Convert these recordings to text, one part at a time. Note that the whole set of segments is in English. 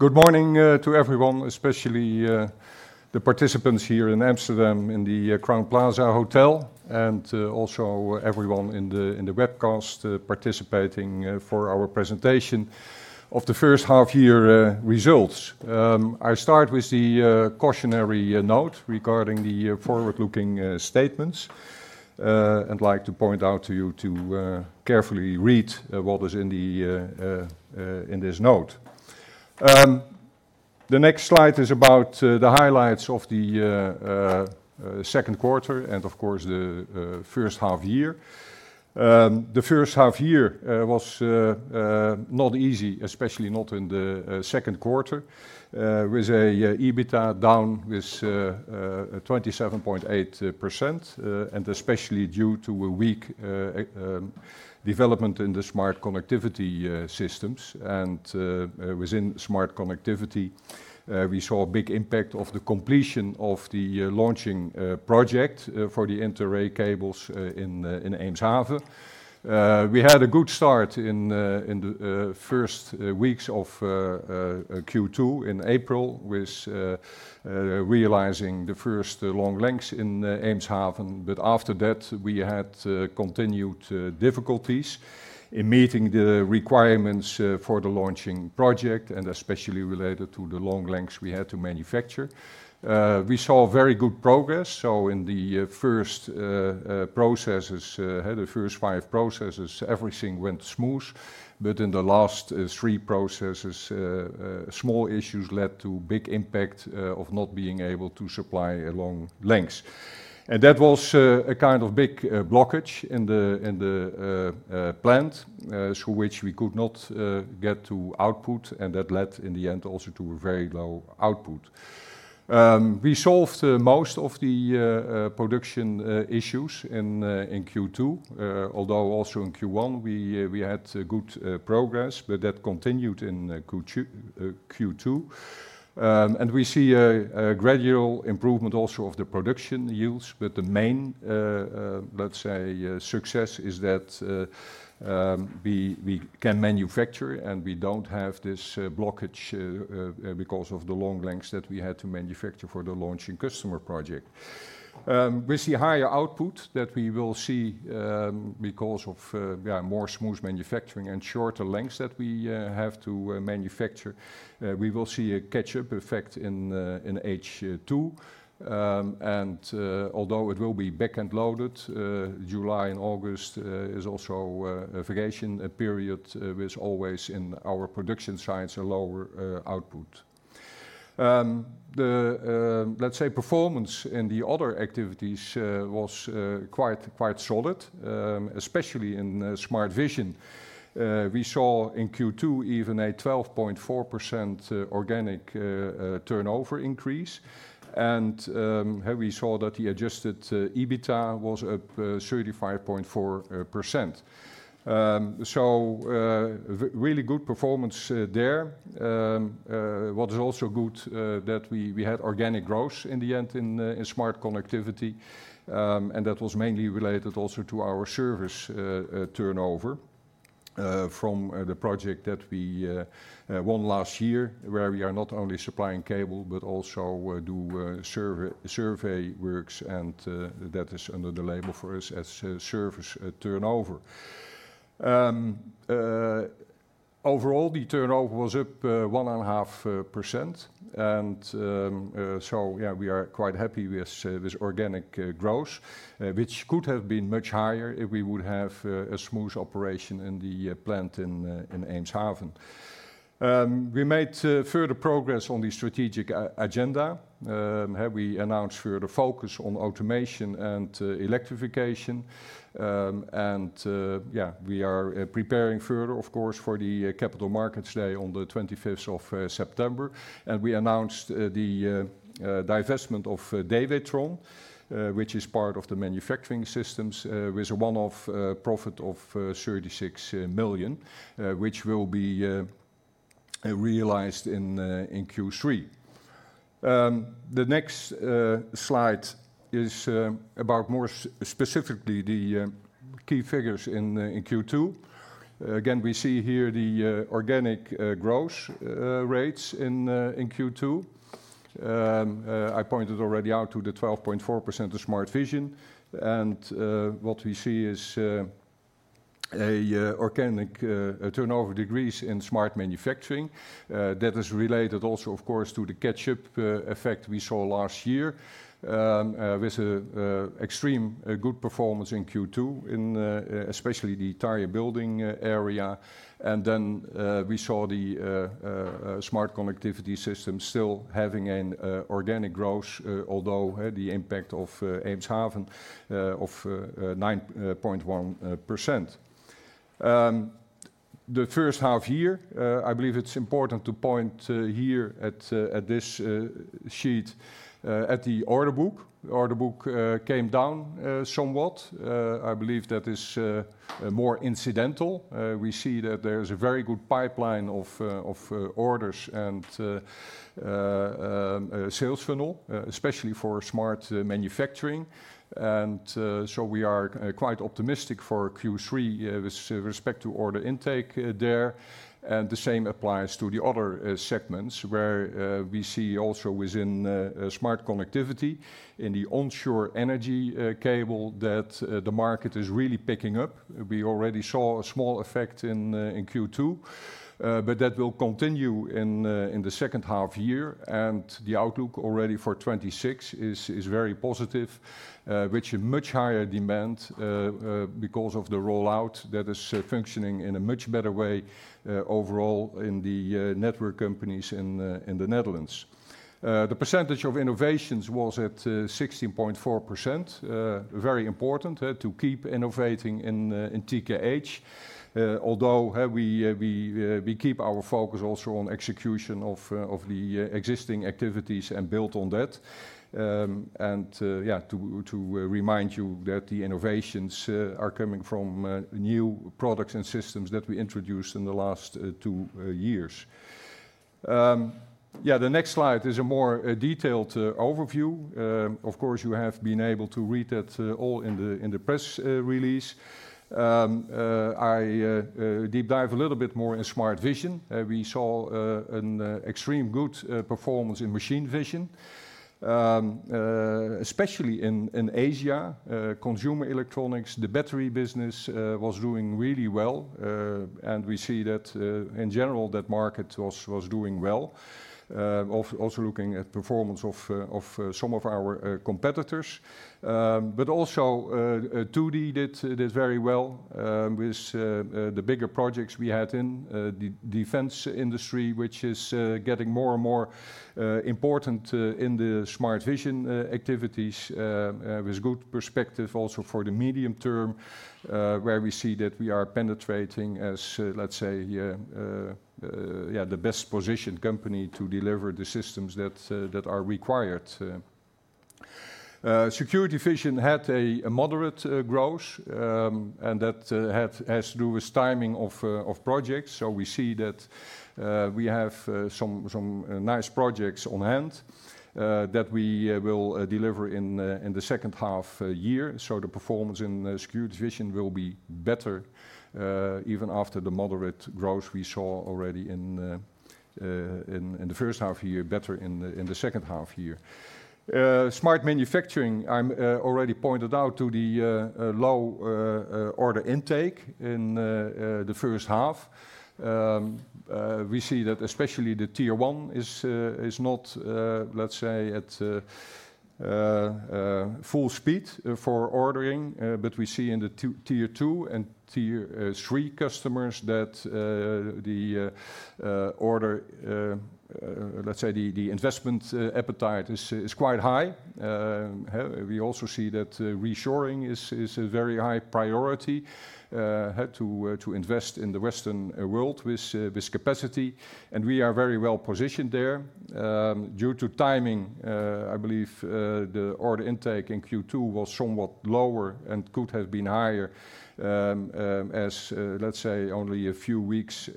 Good morning to everyone, especially the participants here in Amsterdam in the Crowne Plaza Hotel, and also everyone in the webcast participating for our presentation of the first half-year results. I start with the cautionary note regarding the forward-looking statements, and I'd like to point out to you to carefully read what is in this note. The next slide is about the highlights of the second quarter and, of course, the first half-year. The first half-year was not easy, especially not in the second quarter, with an EBITDA down 27.8%, and especially due to a weak development in the Smart Connectivity Solutions. Within Smart Connectivity, we saw a big impact of the completion of the launching project for the inter-array cables in Eemshaven. We had a good start in the first weeks of Q2 in April, with realizing the first long lengths in Eemshaven. After that, we had continued difficulties in meeting the requirements for the launching project, especially related to the long lengths we had to manufacture. We saw very good progress. In the first processes, the first five processes, everything went smooth. In the last three processes, small issues led to a big impact of not being able to supply long lengths. That was a kind of big blockage in the plant, which we could not get to output, and that led, in the end, also to a very low output. We solved most of the production issues in Q2, although also in Q1 we had good progress, but that continued in Q2. We see a gradual improvement also of the production yields. The main, let's say, success is that we can manufacture, and we don't have this blockage because of the long lengths that we had to manufacture for the launching customer project. With the higher output that we will see because of more smooth manufacturing and shorter lengths that we have to manufacture, we will see a catch-up effect in H2. Although it will be back-end loaded, July and August is also a vacation period, with always in our production sites a lower output. The, let's say, performance in the other activities was quite solid, especially in Smart Vision. We saw in Q2 even a 12.4% organic turnover increase. We saw that the adjusted EBITDA was up 35.4%. Really good performance there. What is also good is that we had organic growth in the end in Smart Connectivity. That was mainly related also to our service turnover from the project that we won last year, where we are not only supplying cable but also do survey works. That is under the label for us as service turnover. Overall, the turnover was up 1.5%. We are quite happy with organic growth, which could have been much higher if we would have a smooth operation in the plant in Eemshaven. We made further progress on the strategic agenda. We announced further focus on automation and electrification. We are preparing further, of course, for the Capital Markets Day on the 25th of September. We announced the divestment of Dewetron, which is part of the manufacturing systems, with a one-off profit of 36 million, which will be realized in Q3. The next slide is about more specifically the key figures in Q2. Again, we see here the organic growth rates in Q2. I pointed already out to the 12.4% of Smart Vision. What we see is an organic turnover decrease in Smart Manufacturing. That is related also, of course, to the catch-up effect we saw last year, with an extremely good performance in Q2, especially the entire building area. We saw the Smart Connectivity Solutions still having an organic growth, although the impact of Eemshaven of 9.1%. The first half year, I believe it's important to point here at this sheet at the order book. The order book came down somewhat. I believe that is more incidental. We see that there is a very good pipeline of orders and sales funnel, especially for Smart Manufacturing. We are quite optimistic for Q3 with respect to order intake there. The same applies to the other segments, where we see also within Smart Connectivity in the onshore energy cable that the market is really picking up. We already saw a small effect in Q2. That will continue in the second half year. The outlook already for 2026 is very positive, with a much higher demand because of the rollout that is functioning in a much better way overall in the network companies in the Netherlands. The percentage of innovations was at 16.4%. Very important to keep innovating in TKH, although we keep our focus also on execution of the existing activities and build on that. To remind you, the innovations are coming from new products and systems that we introduced in the last two years. The next slide is a more detailed overview. Of course, you have been able to read that all in the press release. I deep dive a little bit more in Smart Vision. We saw an extremely good performance in machine vision, especially in Asia. Consumer electronics, the battery business was doing really well. We see that, in general, that market was doing well, also looking at performance of some of our competitors. Also, 2D did very well with the bigger projects we had in the defense sector, which is getting more and more important in the Smart Vision activities, with good perspective also for the medium term, where we see that we are penetrating as, let's say, yeah, the best positioned company to deliver the systems that are required. Security Vision had a moderate growth. That has to do with timing of projects. We see that we have some nice projects on hand that we will deliver in the second half year. The performance in Security Vision will be better, even after the moderate growth we saw already in the first half year, better in the second half year. Smart Manufacturing, I already pointed out to the low order intake in the first half. We see that especially the tier-one is not, let's say, at full speed for ordering. We see in the tier-two and tier-three customers that the order, let's say, the investment appetite is quite high. We also see that reshoring is a very high priority to invest in the Western world with this capacity. We are very well positioned there. Due to timing, I believe the order intake in Q2 was somewhat lower and could have been higher as, let's say, only a few weeks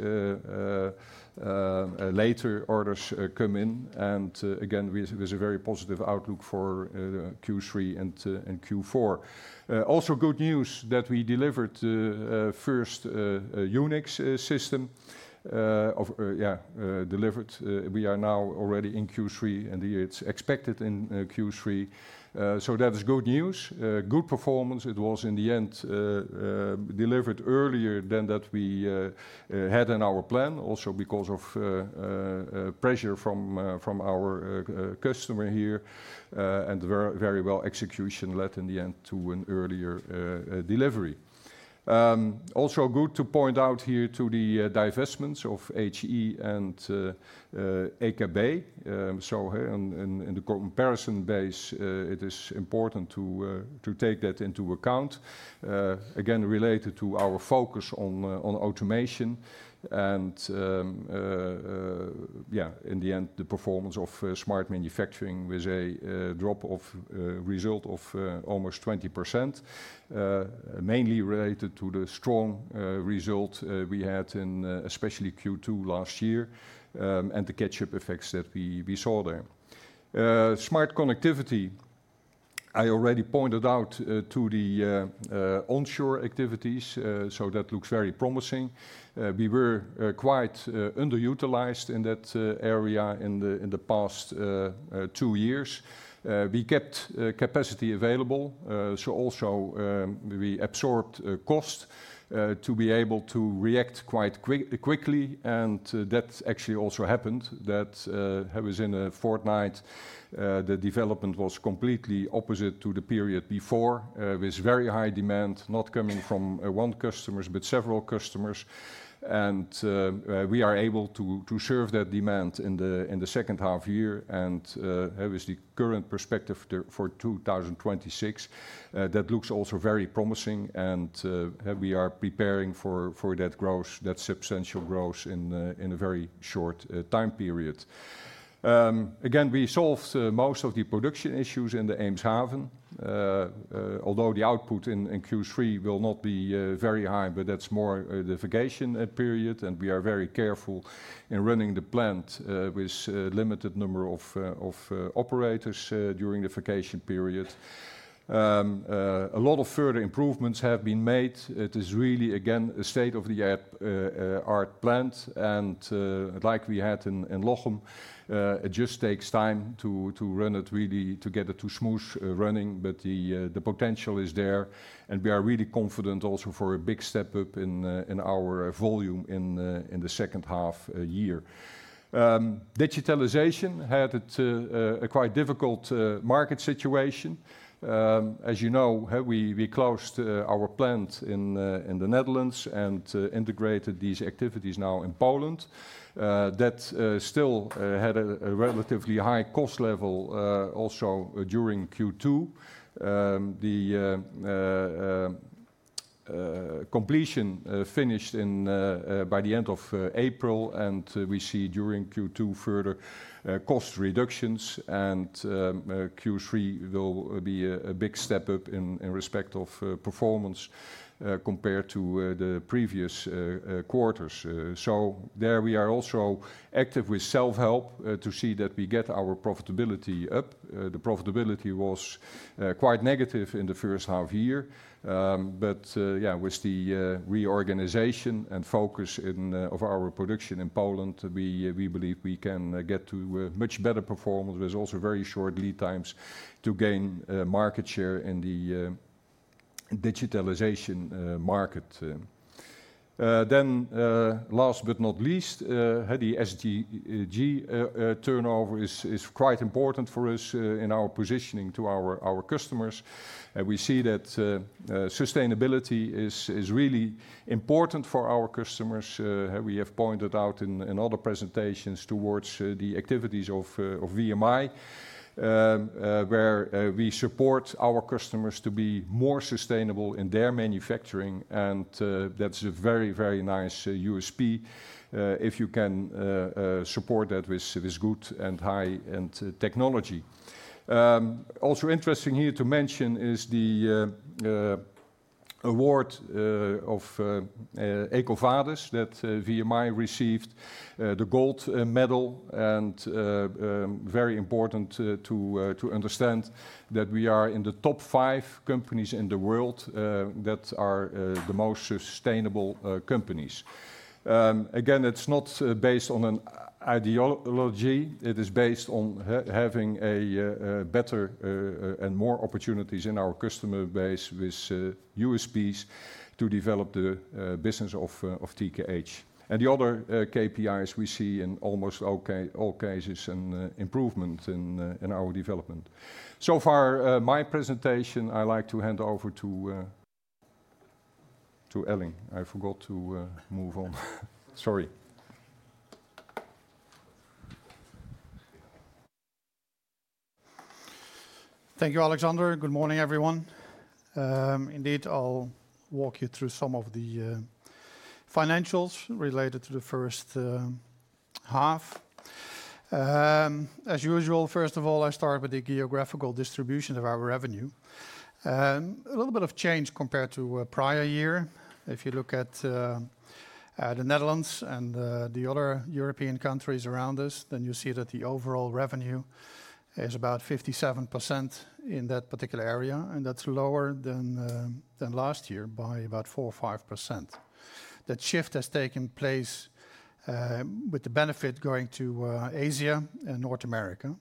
later orders come in. Again, with a very positive outlook for Q3 and Q4. Also, good news that we delivered the first Unix system. Yeah, delivered. We are now already in Q3, and it's expected in Q3. That is good news. Good performance. It was, in the end, delivered earlier than that we had in our plan, also because of pressure from our customer here. Very well execution led, in the end, to an earlier delivery. Also, good to point out here to the divestments of HE and AKB. In the comparison base, it is important to take that into account. Again, related to our focus on automation. In the end, the performance of Smart Manufacturing was a result of almost 20%, mainly related to the strong result we had in, especially Q2 last year, and the catch-up effects that we saw there. Smart Connectivity, I already pointed out to the onshore activities. That looks very promising. We were quite underutilized in that area in the past two years. We kept capacity available, so also, we absorbed cost to be able to react quite quickly. That actually also happened. That was in a fortnight. The development was completely opposite to the period before, with very high demand not coming from one customer but several customers. We are able to serve that demand in the second half year. With the current perspective for 2026, that looks also very promising. We are preparing for that growth, that substantial growth in a very short time period. We solved most of the production issues in Eemshaven, although the output in Q3 will not be very high. That's more the vacation period. We are very careful in running the plant with a limited number of operators during the vacation period. A lot of further improvements have been made. It is really, again, a state-of-the-art plant. Like we had in Lochem, it just takes time to run it really to get it to smooth running. The potential is there. We are really confident also for a big step up in our volume in the second half year. Digitalization had a quite difficult market situation. As you know, we closed our plant in the Netherlands and integrated these activities now in Poland. That still had a relatively high cost level also during Q2. The completion finished by the end of April. We see during Q2 further cost reductions. Q3 will be a big step up in respect of performance compared to the previous quarters. There we are also active with self-help to see that we get our profitability up. The profitability was quite negative in the first half year. With the reorganization and focus of our production in Poland, we believe we can get to a much better performance with also very short lead times to gain market share in the digitalization market. Last but not least, the SDG turnover is quite important for us in our positioning to our customers. We see that sustainability is really important for our customers. We have pointed out in other presentations towards the activities of VMI, where we support our customers to be more sustainable in their manufacturing. That's a very, very nice USP if you can support that with good and high-end technology. Also interesting here to mention is the award of EcoVadis that VMI received, the gold medal. Very important to understand that we are in the top five companies in the world that are the most sustainable companies. It's not based on an ideology. It is based on having better and more opportunities in our customer base with USPs to develop the business of TKH. The other KPIs we see in almost all cases are improvement in our development. So far, my presentation. I like to hand over to Elling. I forgot to move on. Sorry. Thank you, Alexander. Good morning, everyone. Indeed, I'll walk you through some of the financials related to the first half. As usual, first of all, I start with the geographical distribution of our revenue. A little bit of change compared to a prior year. If you look at the Netherlands and the other European countries around us, then you see that the overall revenue is about 57% in that particular area. That's lower than last year by about 4% or 5%. That shift has taken place with the benefit going to Asia and North America.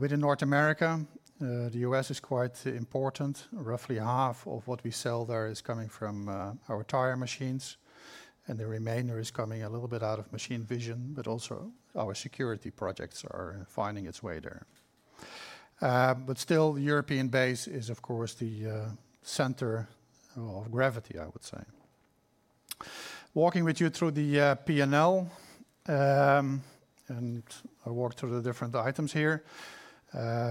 Within North America, the U.S. is quite important. Roughly half of what we sell there is coming from our tire machines. The remainder is coming a little bit out of machine vision. Also, our security projects are finding its way there. Still, the European base is, of course, the center of gravity, I would say. Walking with you through the P&L, I'll walk through the different items here.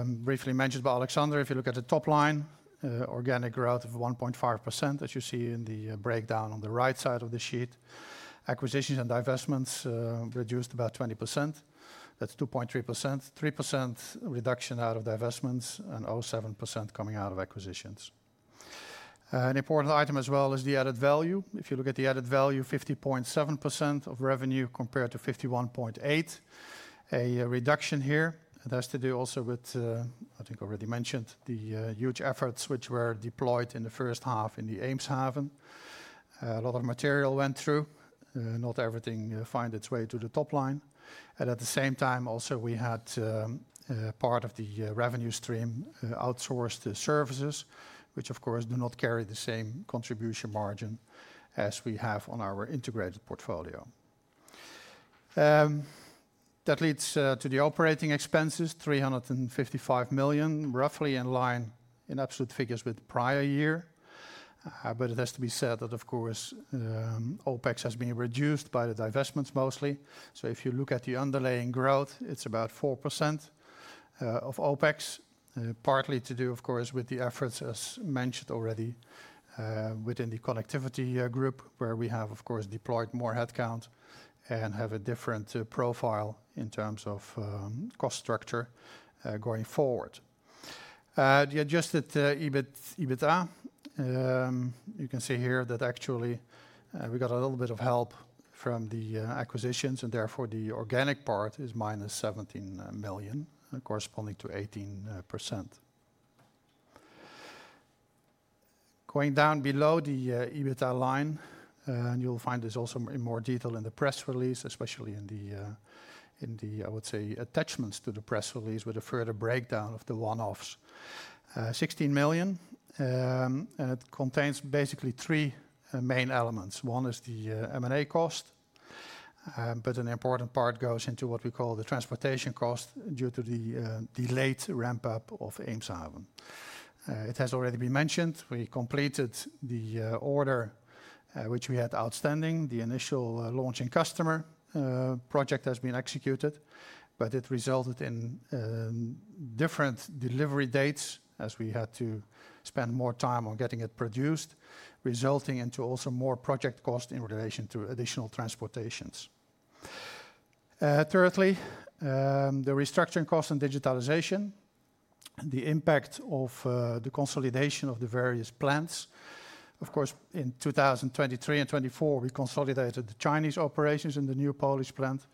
Briefly mentioned by Alexander, if you look at the top line, organic growth of 1.5%, as you see in the breakdown on the right side of the sheet. Acquisitions and divestments reduced about 2.3%. 3% reduction out of divestments and 0.7% coming out of acquisitions. An important item as well is the added value. If you look at the added value, 50.7% of revenue compared to 51.8%. A reduction here has to do also with, I think already mentioned, the huge efforts which were deployed in the first half in Eemshaven. A lot of material went through. Not everything finds its way to the top line. At the same time, also, we had part of the revenue stream outsourced to services, which, of course, do not carry the same contribution margin as we have on our integrated portfolio. That leads to the operating expenses, $355 million, roughly in line in absolute figures with the prior year. It has to be said that, of course, OpEx has been reduced by the divestments mostly. If you look at the underlying growth, it's about 4% of OpEx, partly to do, of course, with the efforts, as mentioned already, within the connectivity group, where we have, of course, deployed more headcount and have a different profile in terms of cost structure going forward. The adjusted EBITDA, you can see here that actually we got a little bit of help from the acquisitions. Therefore, the organic part is -$17 million, corresponding to 18%. Going down below the EBITDA line, and you'll find this also in more detail in the press release, especially in the, I would say, attachments to the press release with a further breakdown of the one-offs. $16 million. It contains basically three main elements. One is the M&A cost. An important part goes into what we call the transportation cost due to the delayed ramp-up of Eemshaven. It has already been mentioned. We completed the order, which we had outstanding. The initial launching customer project has been executed. It resulted in different delivery dates as we had to spend more time on getting it produced, resulting in also more project costs in relation to additional transportations. Thirdly, the restructuring costs and digitalization, the impact of the consolidation of the various plants. Of course, in 2023 and 2024, we consolidated the Chinese operations in the new Polish plant.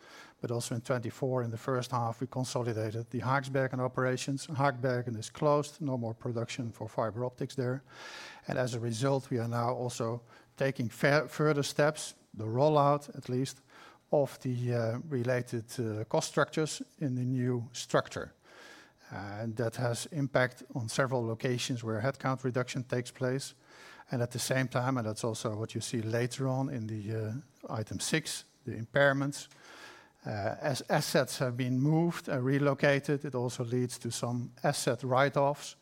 Also in 2024, in the first half, we consolidated the Haaksbergen operations. Haaksbergen is closed. No more production for fiber optics there. As a result, we are now also taking further steps, the rollout at least, of the related cost structures in the new structure. That has impact on several locations where headcount reduction takes place. At the same time, and that's also what you see later on in the item six, the impairments. As assets have been moved and relocated, it also leads to some asset write-offs.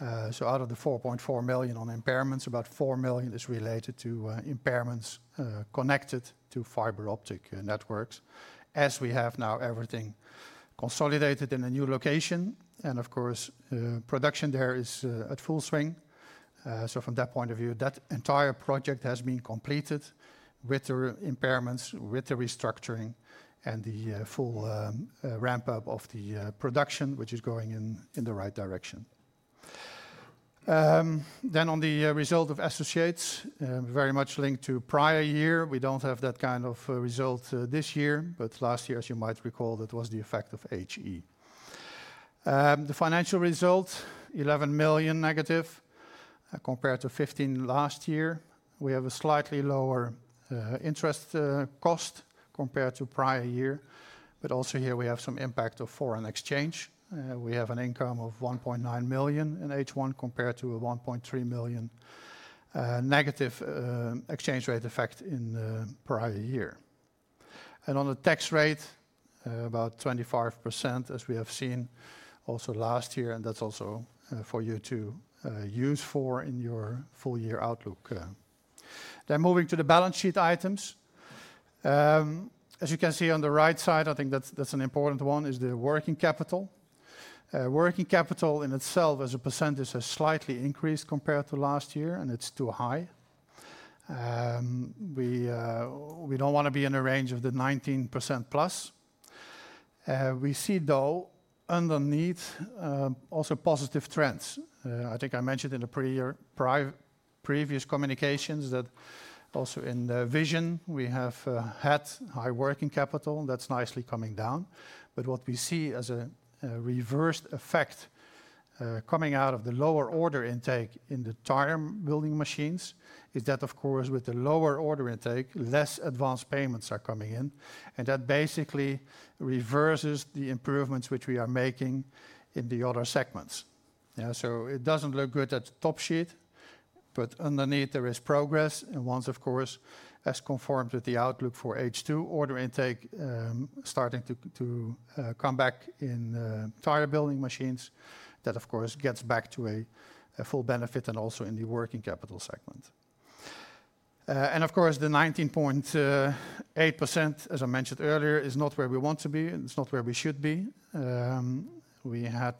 Out of the 4.4 million on impairments, about 4 million is related to impairments connected to fiber optic networks, as we have now everything consolidated in a new location. Production there is at full swing. From that point of view, that entire project has been completed with the impairments, with the restructuring, and the full ramp-up of the production, which is going in the right direction. On the result of associates, very much linked to prior year. We don't have that kind of result this year. Last year, as you might recall, it was the effect of HE. The financial result, 11 million negative compared to 15 million last year. We have a slightly lower interest cost compared to prior year. Also here, we have some impact of foreign exchange. We have an income of 1.9 million in H1 compared to a 1.3 million negative exchange rate effect in the prior year. On the tax rate, about 25%, as we have seen also last year. That's also for you to use for in your full-year outlook. Moving to the balance sheet items. As you can see on the right side, I think that's an important one, is the working capital. Working capital in itself, as a percent, has slightly increased compared to last year. It's too high. We don't want to be in a range of the 19%+. We see, though, underneath also positive trends. I think I mentioned in the previous communications that also in the vision, we have had high working capital. That's nicely coming down. What we see as a reversed effect coming out of the lower order intake in the tire building machines is that, of course, with the lower order intake, less advanced payments are coming in. That basically reverses the improvements which we are making in the other segments. It doesn't look good at the top sheet. Underneath, there is progress. Once, of course, as conformed with the outlook for H2, order intake starting to come back in tire building machines, that, of course, gets back to a full benefit and also in the working capital segment. The 19.8%, as I mentioned earlier, is not where we want to be. It's not where we should be. We had,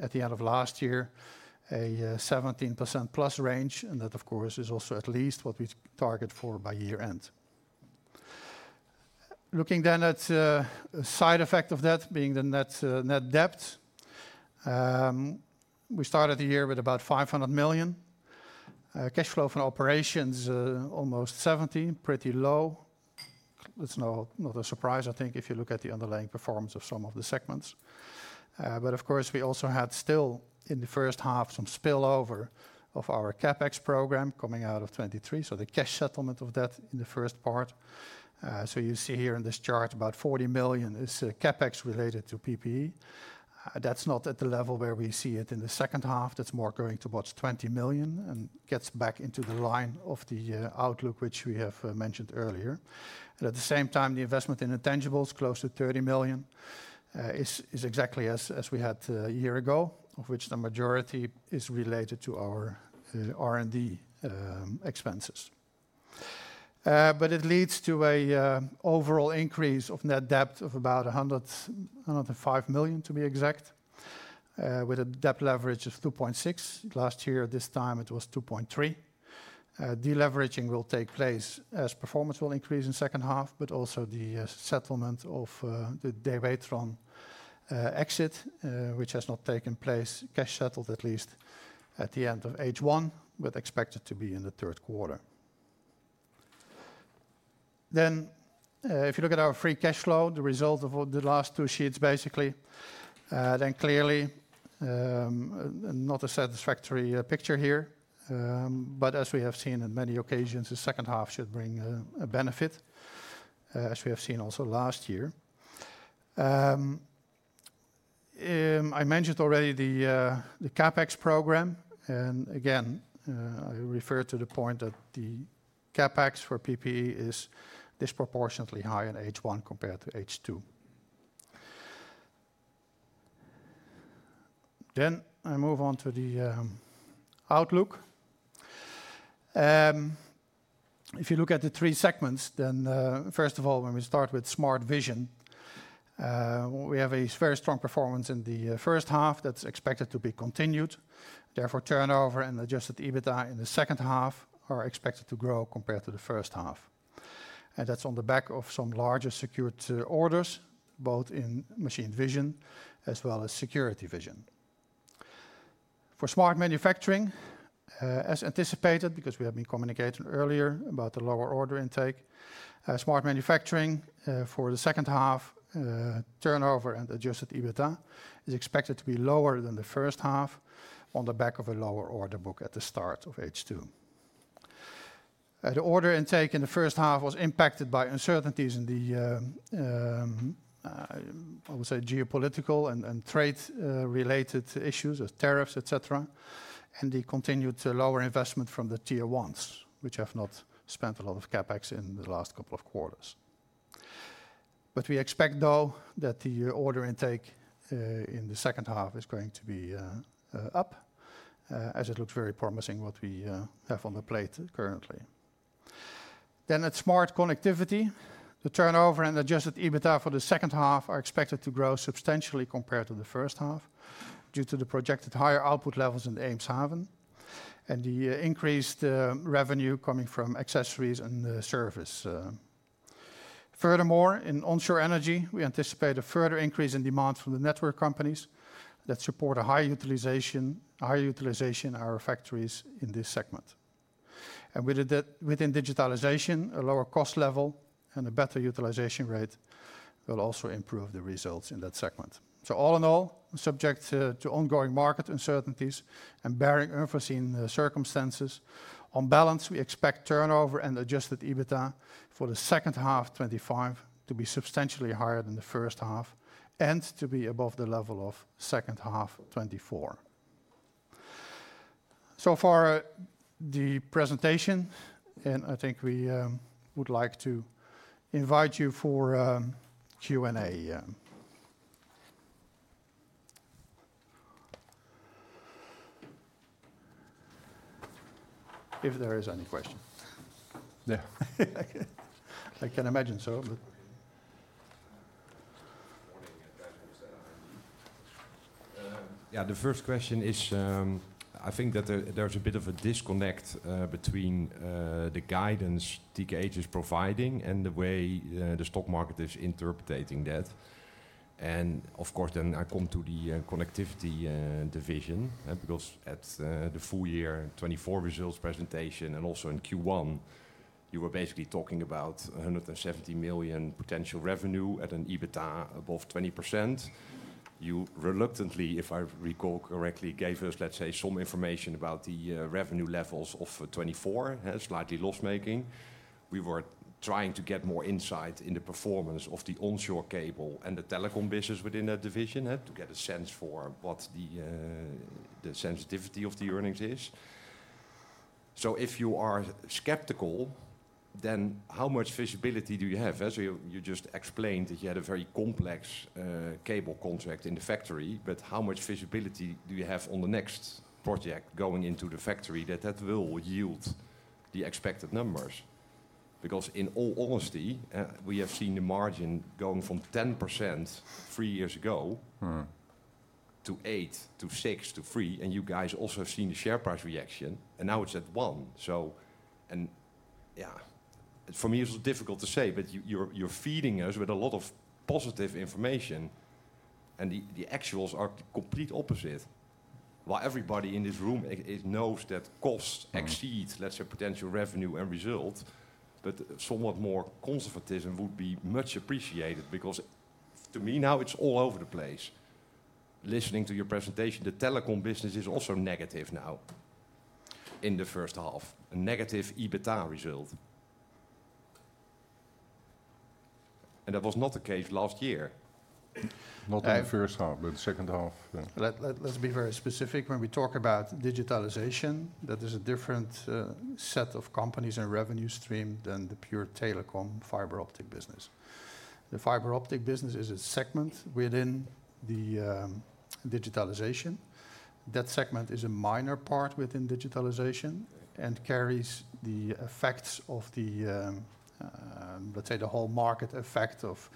at the end of last year, a 17%+ range. That, of course, is also at least what we target for by year end. Looking then at the side effect of that being the net debt, we started the year with about 500 million. Cash flow from operations, almost 70 million, pretty low. That's not a surprise, I think, if you look at the underlying performance of some of the segments. We also had still in the first half some spillover of our CapEx program coming out of 2023. The cash settlement of that in the first part. You see here in this chart about 40 million is CapEx related to PPE. That's not at the level where we see it in the second half. That's more going towards 20 million and gets back into the line of the outlook, which we have mentioned earlier. At the same time, the investment in intangibles close to 30 million is exactly as we had a year ago, of which the majority is related to our R&D expenses. It leads to an overall increase of net debt of about 105 million, to be exact, with a debt leverage of 2.6% last year. This time, it was 2.3%. Deleveraging will take place as performance will increase in the second half, but also the settlement of the Dewetron exit, which has not taken place, cash settled at least at the end of H1, but expected to be in the third quarter. If you look at our free cash flow, the result of the last two sheets, basically, clearly not a satisfactory picture here. As we have seen on many occasions, the second half should bring a benefit, as we have seen also last year. I mentioned already the CapEx program. I refer to the point that the CapEx for PPE is disproportionately high in H1 compared to H2. I move on to the outlook. If you look at the three segments, first of all, when we start with Smart Vision, we have a very strong performance in the first half that's expected to be continued. Therefore, turnover and adjusted EBITDA in the second half are expected to grow compared to the first half. That's on the back of some larger secured orders, both in machine vision as well as security vision. For Smart Manufacturing, as anticipated, because we have been communicating earlier about the lower order intake, Smart Manufacturing for the second half, turnover and adjusted EBITDA is expected to be lower than the first half on the back of a lower order book at the start of H2. The order intake in the first half was impacted by uncertainties in the, I would say, geopolitical and trade-related issues of tariffs, etc., and the continued lower investment from the tier-one customers, which have not spent a lot of CapEx in the last couple of quarters. We expect, though, that the order intake in the second half is going to be up, as it looks very promising what we have on the plate currently. At Smart Connectivity, the turnover and adjusted EBITDA for the second half are expected to grow substantially compared to the first half due to the projected higher output levels in Eemshaven and the increased revenue coming from accessories and service. Furthermore, in onshore energy, we anticipate a further increase in demand from the network companies that support a higher utilization in our factories in this segment. Within digitalization, a lower cost level and a better utilization rate will also improve the results in that segment. All in all, subject to ongoing market uncertainties and bearing emphasis in circumstances, on balance, we expect turnover and adjusted EBITDA for the second half 2025 to be substantially higher than the first half and to be above the level of second half 2024. So far, the presentation. I think we would like to invite you for Q&A if there is any question. I can imagine so. Yeah, the first question is, I think that there's a bit of a disconnect between the guidance TKH is providing and the way the stock market is interpreting that. I come to the connectivity division because at the full year 2024 results presentation and also in Q1, you were basically talking about 170 million potential revenue at an EBITDA above 20%. You reluctantly, if I recall correctly, gave us, let's say, some information about the revenue levels of 2024, slightly loss-making. We were trying to get more insight in the performance of the onshore cable and the telecom business within that division to get a sense for what the sensitivity of the earnings is. If you are skeptical, then how much visibility do you have? You just explained that you had a very complex cable contract in the factory. How much visibility do you have on the next project going into the factory that will yield the expected numbers? In all honesty, we have seen the margin going from 10% three years ago to 8% to 6% to 3%. You guys also have seen the share price reaction. Now it's at 1%. For me, it's difficult to say. You're feeding us with a lot of positive information. The actuals are complete opposite. While everybody in this room knows that costs exceed, let's say, potential revenue and result, somewhat more conservatism would be much appreciated because to me, now it's all over the place. Listening to your presentation, the telecom business is also negative now in the first half, a negative EBITDA result. That was not the case last year. Not in the first half, but the second half. Let's be very specific. When we talk about digitalization, that is a different set of companies and revenue stream than the pure telecom fiber optic business. The fiber optic business is a segment within the digitalization. That segment is a minor part within digitalization and carries the effects of, let's say, the whole market effect of,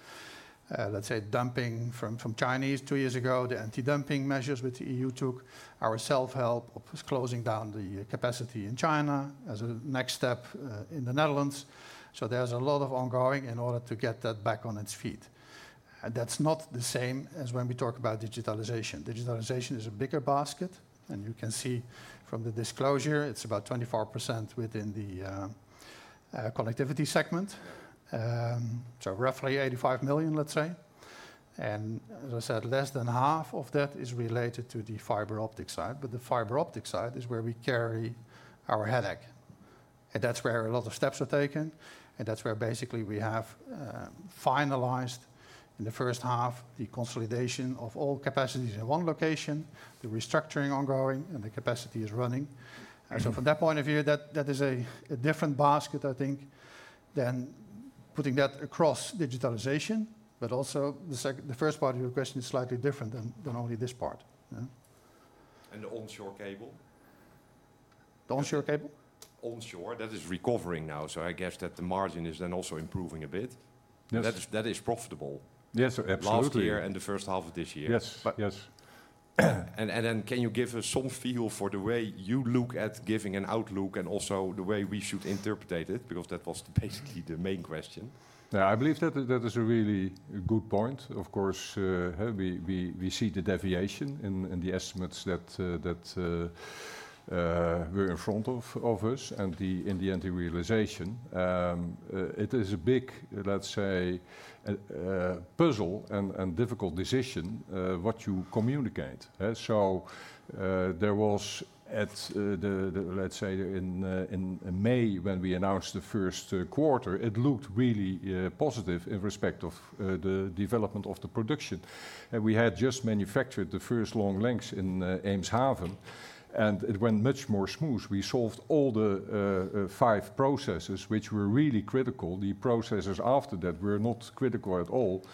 let's say, dumping from Chinese two years ago, the anti-dumping measures which the EU took, our self-help of closing down the capacity in China as a next step in the Netherlands. There's a lot ongoing in order to get that back on its feet. That's not the same as when we talk about digitalization. Digitalization is a bigger basket. You can see from the disclosure, it's about 24% within the connectivity segment, so roughly 85 million, let's say. As I said, less than half of that is related to the fiber optic side. The fiber optic side is where we carry our headache. That's where a lot of steps are taken. That's where basically we have finalized in the first half the consolidation of all capacities in one location, the restructuring ongoing, and the capacity is running. From that point of view, that is a different basket, I think, than putting that across digitalization. Also, the first part of your question is slightly different than only this part. The onshore cable? The onshore cable? Onshore. That is recovering now. I guess that the margin is then also improving a bit. That is profitable. Yes, absolutely. Last year and the first half of this year. Yes, yes. Can you give us some feel for the way you look at giving an outlook and also the way we should interpret it? Because that was basically the main question. Yeah, I believe that is a really good point. Of course, we see the deviation in the estimates that were in front of us. In the end, the realization, it is a big puzzle and difficult decision what you communicate. There was, in May when we announced the first quarter, it looked really positive in respect of the development of the production. We had just manufactured the first long lengths in Eemshaven, and it went much more smooth. We solved all the five processes, which were really critical. The processes after that were not critical at all.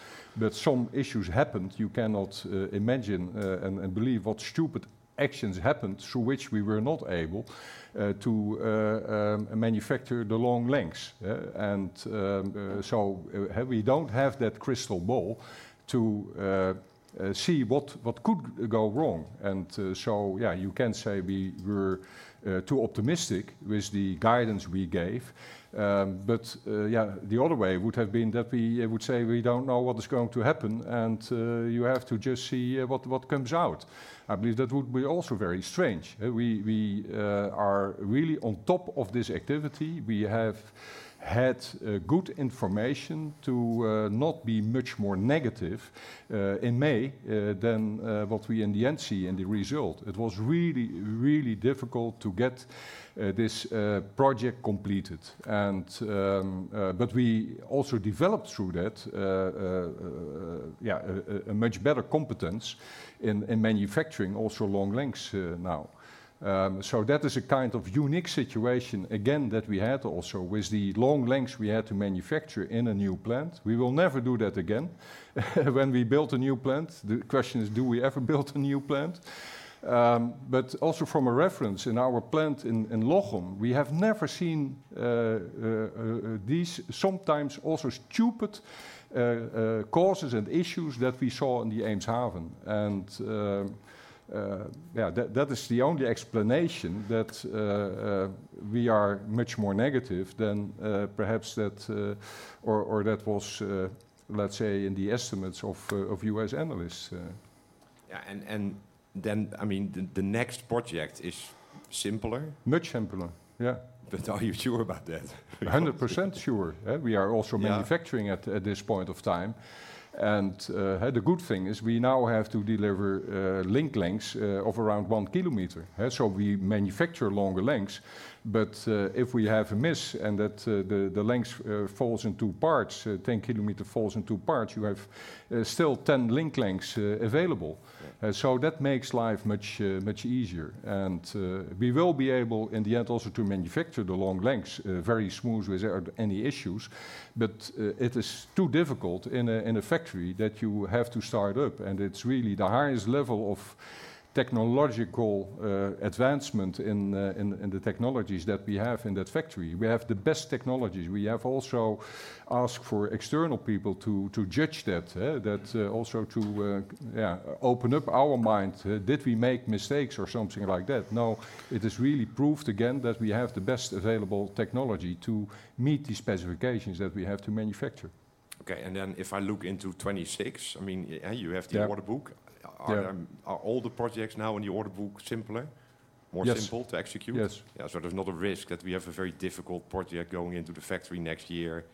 Some issues happened. You cannot imagine and believe what stupid actions happened, through which we were not able to manufacture the long lengths. We do not have that crystal ball to see what could go wrong. You can say we were too optimistic with the guidance we gave. The other way would have been that we would say we do not know what is going to happen, and you have to just see what comes out. I believe that would be also very strange. We are really on top of this activity. We have had good information to not be much more negative in May than what we in the end see in the result. It was really, really difficult to get this project completed. We also developed through that a much better competence in manufacturing also long lengths now. That is a kind of unique situation, again, that we had also with the long lengths we had to manufacture in a new plant. We will never do that again. When we built a new plant, the question is, do we ever build a new plant? Also from a reference in our plant in Lochem, we have never seen these sometimes also stupid causes and issues that we saw in Eemshaven. That is the only explanation that we are much more negative than perhaps that, or that was, in the estimates of U.S. analysts. Yeah, the next project is simpler. Much simpler, yeah. Are you sure about that? We are also manufacturing at this point of time. The good thing is we now have to deliver link lengths of around 1 km. We manufacture longer lengths. If we have a miss and the length falls into parts, 10 km falls into parts, you have still 10 link lengths available. That makes life much, much easier. We will be able, in the end, also to manufacture the long lengths very smoothly without any issues. It is too difficult in a factory that you have to start up. It is really the highest level of technological advancement in the technologies that we have in that factory. We have the best technologies. We have also asked for external people to judge that, also to open up our mind. Did we make mistakes or something like that? No, it is really proved again that we have the best available technology to meet the specifications that we have to manufacture. OK, if I look into 2026, I mean, you have the order book. Are all the projects now in the order book simpler, more simple to execute? Yes. There's not a risk that we have a very difficult project going into the factory next year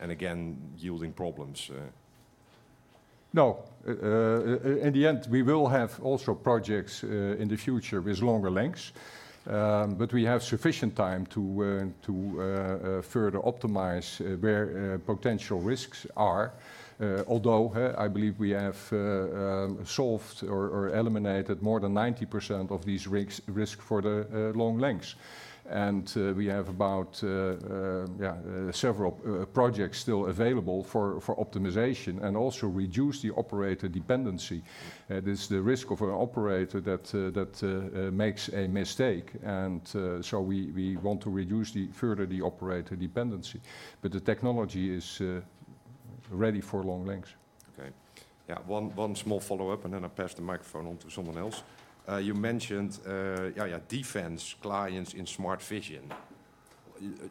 and again yielding problems. No. In the end, we will have also projects in the future with longer lengths. We have sufficient time to further optimize where potential risks are. Although I believe we have solved or eliminated more than 90% of these risks for the long lengths, we have several projects still available for optimization and also to reduce the operator dependency. It is the risk of an operator that makes a mistake, so we want to reduce further the operator dependency. The technology is ready for long lengths. OK, yeah, one small follow-up. I'll pass the microphone on to someone else. You mentioned defense clients in Smart Vision.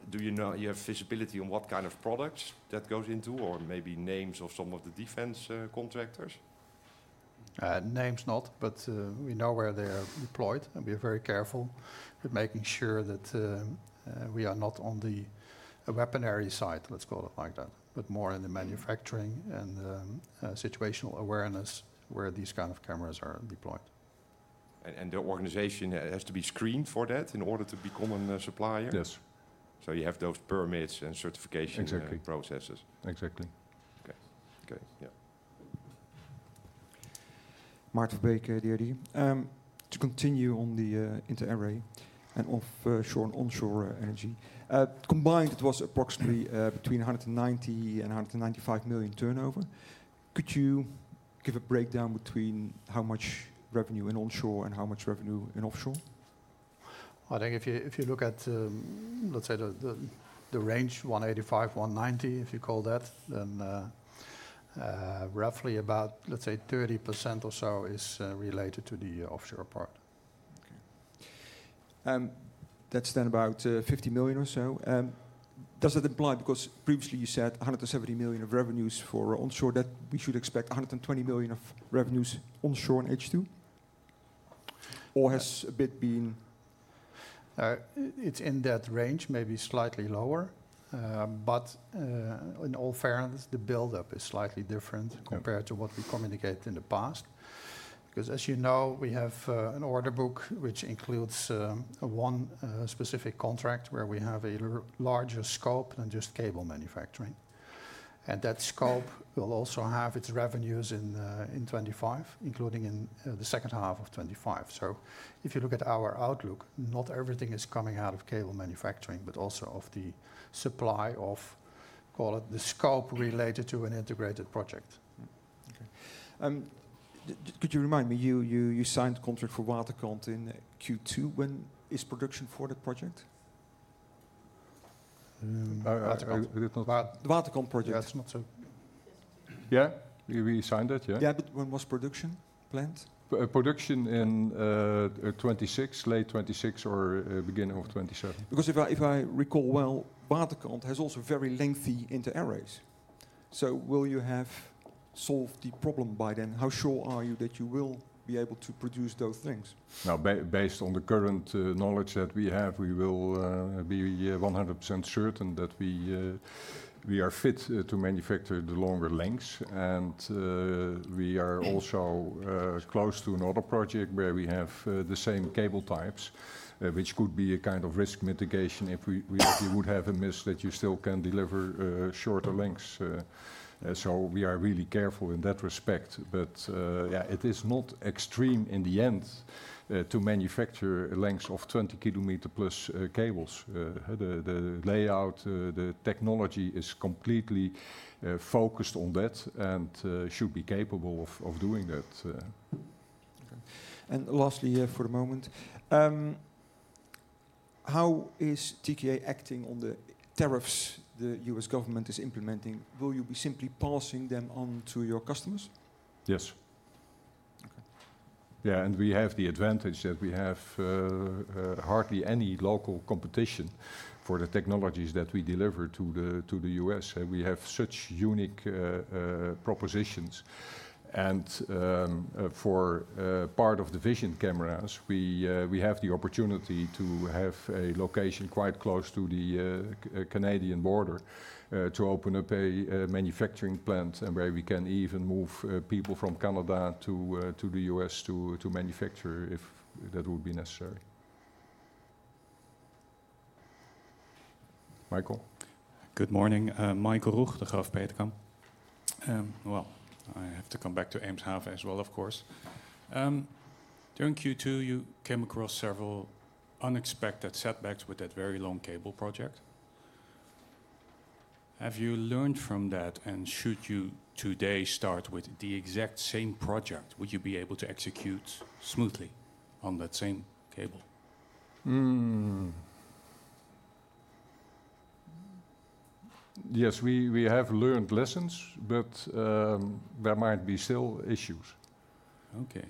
Do you know you have visibility on what kind of products that goes into or maybe names of some of the defense contractors? Names not, but we know where they are deployed. We are very careful at making sure that we are not on the weaponry side, let's call it like that, but more in the manufacturing and situational awareness where these kind of cameras are deployed. The organization has to be screened for that in order to become a supplier? Yes. You have those permits and certification processes. Exactly. OK. OK, yeah. To continue on the inter-array and offshore and onshore energy, combined, it was approximately between 190 million and 195 million turnover. Could you give a breakdown between how much revenue in onshore and how much revenue in offshore? I think if you look at, let's say, the range 185 million-190 million, if you call that, then roughly about, let's say, 30% or so is related to the offshore part. OK. And that's then about 50 million or so. Does that apply? Because previously, you said 170 million of revenues for onshore, that we should expect 120 million of revenues onshore in H2? Or has a bit been? It's in that range, maybe slightly lower. In all fairness, the build-up is slightly different compared to what we communicated in the past. As you know, we have an order book which includes one specific contract where we have a larger scope than just cable manufacturing. That scope will also have its revenues in 2025, including in the second half of 2025. If you look at our outlook, not everything is coming out of cable manufacturing, but also of the supply of, call it, the scope related to an integrated project. OK. Could you remind me, you signed a contract for WaterCon in Q2. When is production for the project? The WaterCon project? Yeah, we signed it. Yeah. Yeah, when was production planned? Production in 2026, late 2026, or beginning of 2027. Because if I recall well, WaterCon has also very lengthy inter-array cables. Will you have solved the problem by then? How sure are you that you will be able to produce those things? Now, based on the current knowledge that we have, we will be 100% certain that we are fit to manufacture the longer lengths. We are also close to another project where we have the same cable types, which could be a kind of risk mitigation if you would have a miss that you still can deliver shorter lengths. We are really careful in that respect. It is not extreme in the end to manufacture lengths of +20 km cables. The layout, the technology is completely focused on that and should be capable of doing that. Lastly, for a moment, how is TKH acting on the tariffs the U.S. government is implementing? Will you be simply passing them on to your customers? Yes, we have the advantage that we have hardly any local competition for the technologies that we deliver to the U.S. We have such unique propositions. For part of the vision cameras, we have the opportunity to have a location quite close to the Canadian border to open up a manufacturing plant where we can even move people from Canada to the U.S. to manufacture if that would be necessary. Michael? Good morning. Michael Roeg, Degroof Petercam. I have to come back to Eemshaven as well, of course. During Q2, you came across several unexpected setbacks with that very long cable project. Have you learned from that? If you today start with the exact same project, would you be able to execute smoothly on that same cable? Yes, we have learned lessons. There might be still issues. OK.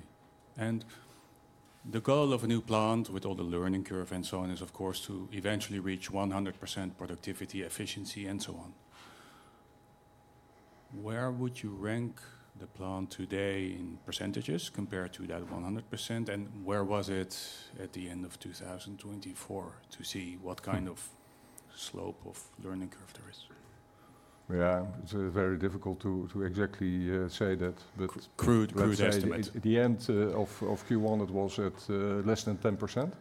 The goal of a new plant with all the learning curve and so on is, of course, to eventually reach 100% productivity, efficiency, and so on. Where would you rank the plant today in percent compared to that 100%? Where was it at the end of 2024 to see what kind of slope of learning curve there is? Yeah, it's very difficult to exactly say that. Crude estimates. At the end of Q1, it was at less than 10%.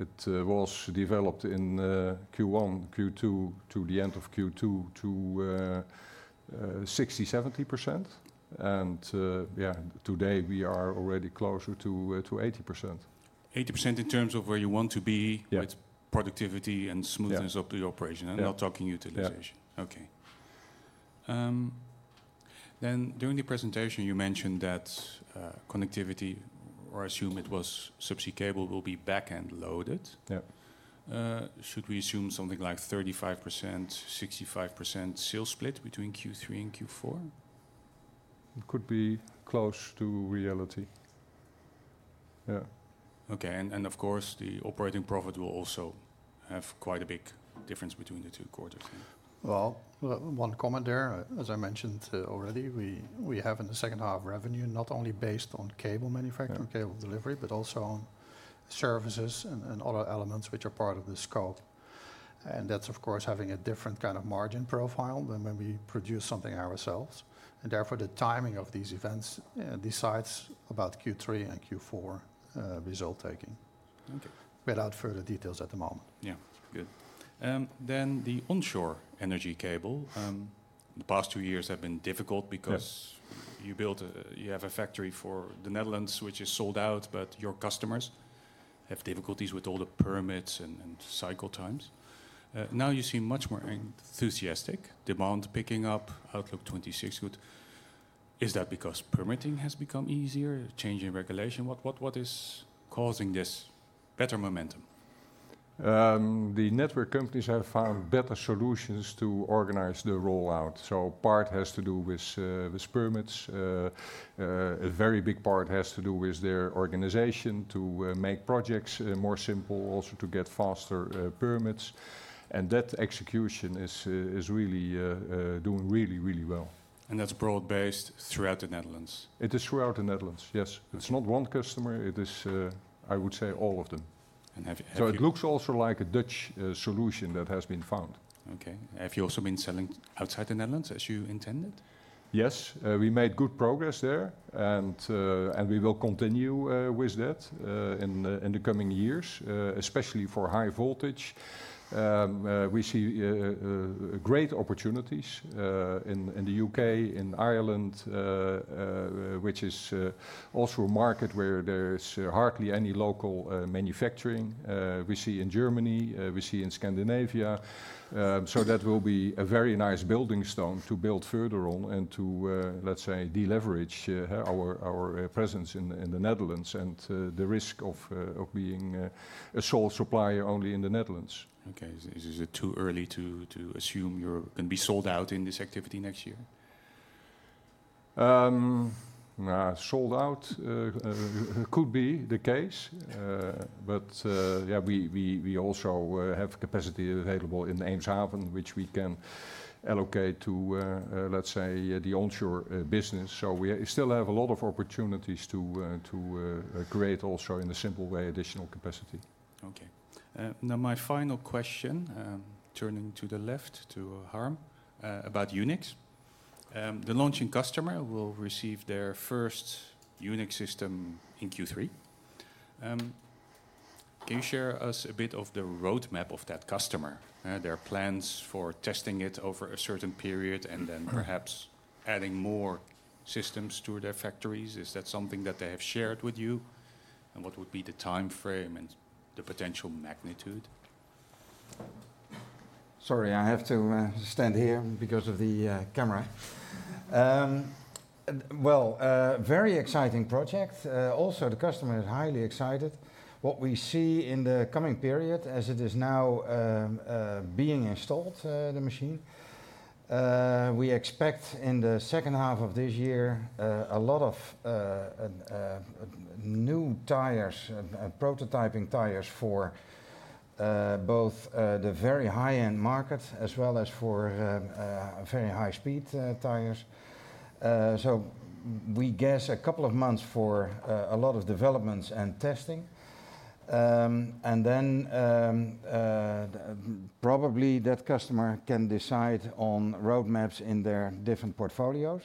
It was developed in Q1, Q2, to the end of Q2 to 60%-70%. Today we are already closer to 80%. 80% in terms of where you want to be with productivity and smoothness of the operation. I'm not talking utilization. Yeah. During the presentation, you mentioned that connectivity, or I assume it was subsea cable, will be back-end loaded. Yeah. Should we assume something like 35%, 65% sales split between Q3 and Q4? It could be close to reality. Yeah. Of course, the operating profit will also have quite a big difference between the two quarters. As I mentioned already, we have in the second half revenue not only based on cable manufacturing and cable delivery, but also on services and other elements which are part of the scope. That's, of course, having a different kind of margin profile than when we produce something ourselves. Therefore, the timing of these events decides about Q3 and Q4 result taking without further details at the moment. Good. The onshore energy cable, the past two years have been difficult because you have a factory for the Netherlands, which is sold out, but your customers have difficulties with all the permits and cycle times. Now you see much more enthusiastic demand picking up, Outlook 2026. Is that because permitting has become easier, changing regulation? What is causing this better momentum? The network companies have found better solutions to organize the rollout. Part has to do with permits. A very big part has to do with their organization to make projects more simple, also to get faster permits. That execution is really doing really, really well. That's broad-based throughout the Netherlands. It is throughout the Netherlands, yes. It's not one customer. It is, I would say, all of them. It looks also like a Dutch solution that has been found. OK. Have you also been selling outside the Netherlands as you intended? Yes, we made good progress there. We will continue with that in the coming years, especially for high voltage. We see great opportunities in the U.K., in Ireland, which is also a market where there is hardly any local manufacturing. We see in Germany. We see in Scandinavia. That will be a very nice building stone to build further on and to, let's say, deleverage our presence in the Netherlands and the risk of being a sole supplier only in the Netherlands. OK. Is it too early to assume you're going to be sold out in this activity next year? Sold out could be the case. We also have capacity available in Eemshaven, which we can allocate to, let's say, the onshore business. We still have a lot of opportunities to create also in a simple way additional capacity. OK. Now my final question, turning to the left to Harm, about Unix. The launching customer will receive their first Unix system in Q3. Can you share with us a bit of the roadmap of that customer, their plans for testing it over a certain period, and then perhaps adding more systems to their factories? Is that something that they have shared with you? What would be the time frame and the potential magnitude? I have to stand here because of the camera. Very exciting project. Also, the customer is highly excited. What we see in the coming period, as it is now being installed, the machine, we expect in the second half of this year a lot of new tires and prototyping tires for both the very high-end market as well as for very high-speed tires. We guess a couple of months for a lot of developments and testing. Probably that customer can decide on roadmaps in their different portfolios.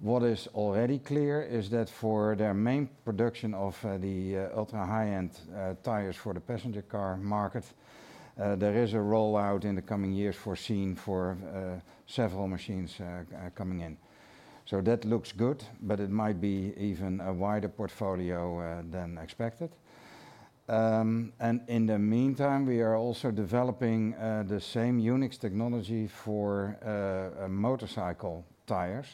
What is already clear is that for their main production of the ultra-high-end tires for the passenger car market, there is a rollout in the coming years foreseen for several machines coming in. That looks good. It might be even a wider portfolio than expected. In the meantime, we are also developing the same Unix technology for motorcycle tires.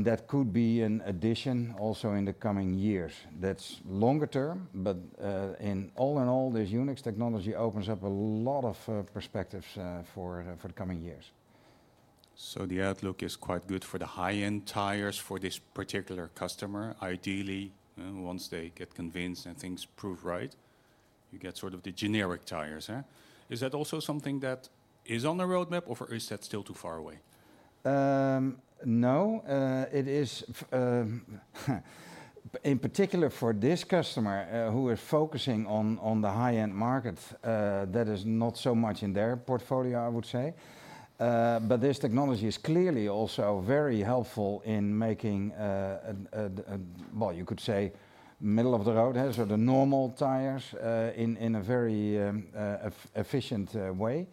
That could be an addition also in the coming years. That's longer term. All in all, this Unix technology opens up a lot of perspectives for the coming years. The outlook is quite good for the high-end tires for this particular customer. Ideally, once they get convinced and things prove right, you get sort of the generic tires. Is that also something that is on the roadmap, or is that still too far away? No, it is in particular for this customer who is focusing on the high-end market. That is not so much in their portfolio, I would say. This technology is clearly also very helpful in making, you could say, middle of the road, so the normal tires in a very efficient way.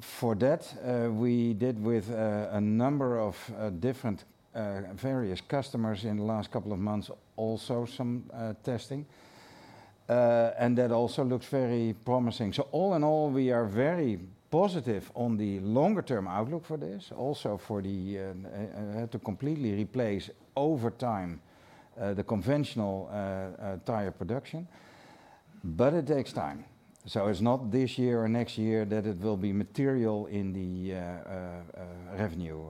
For that, we did with a number of different various customers in the last couple of months also some testing. That also looks very promising. All in all, we are very positive on the longer-term outlook for this, also to completely replace over time the conventional tire production. It takes time. It's not this year or next year that it will be material in the revenue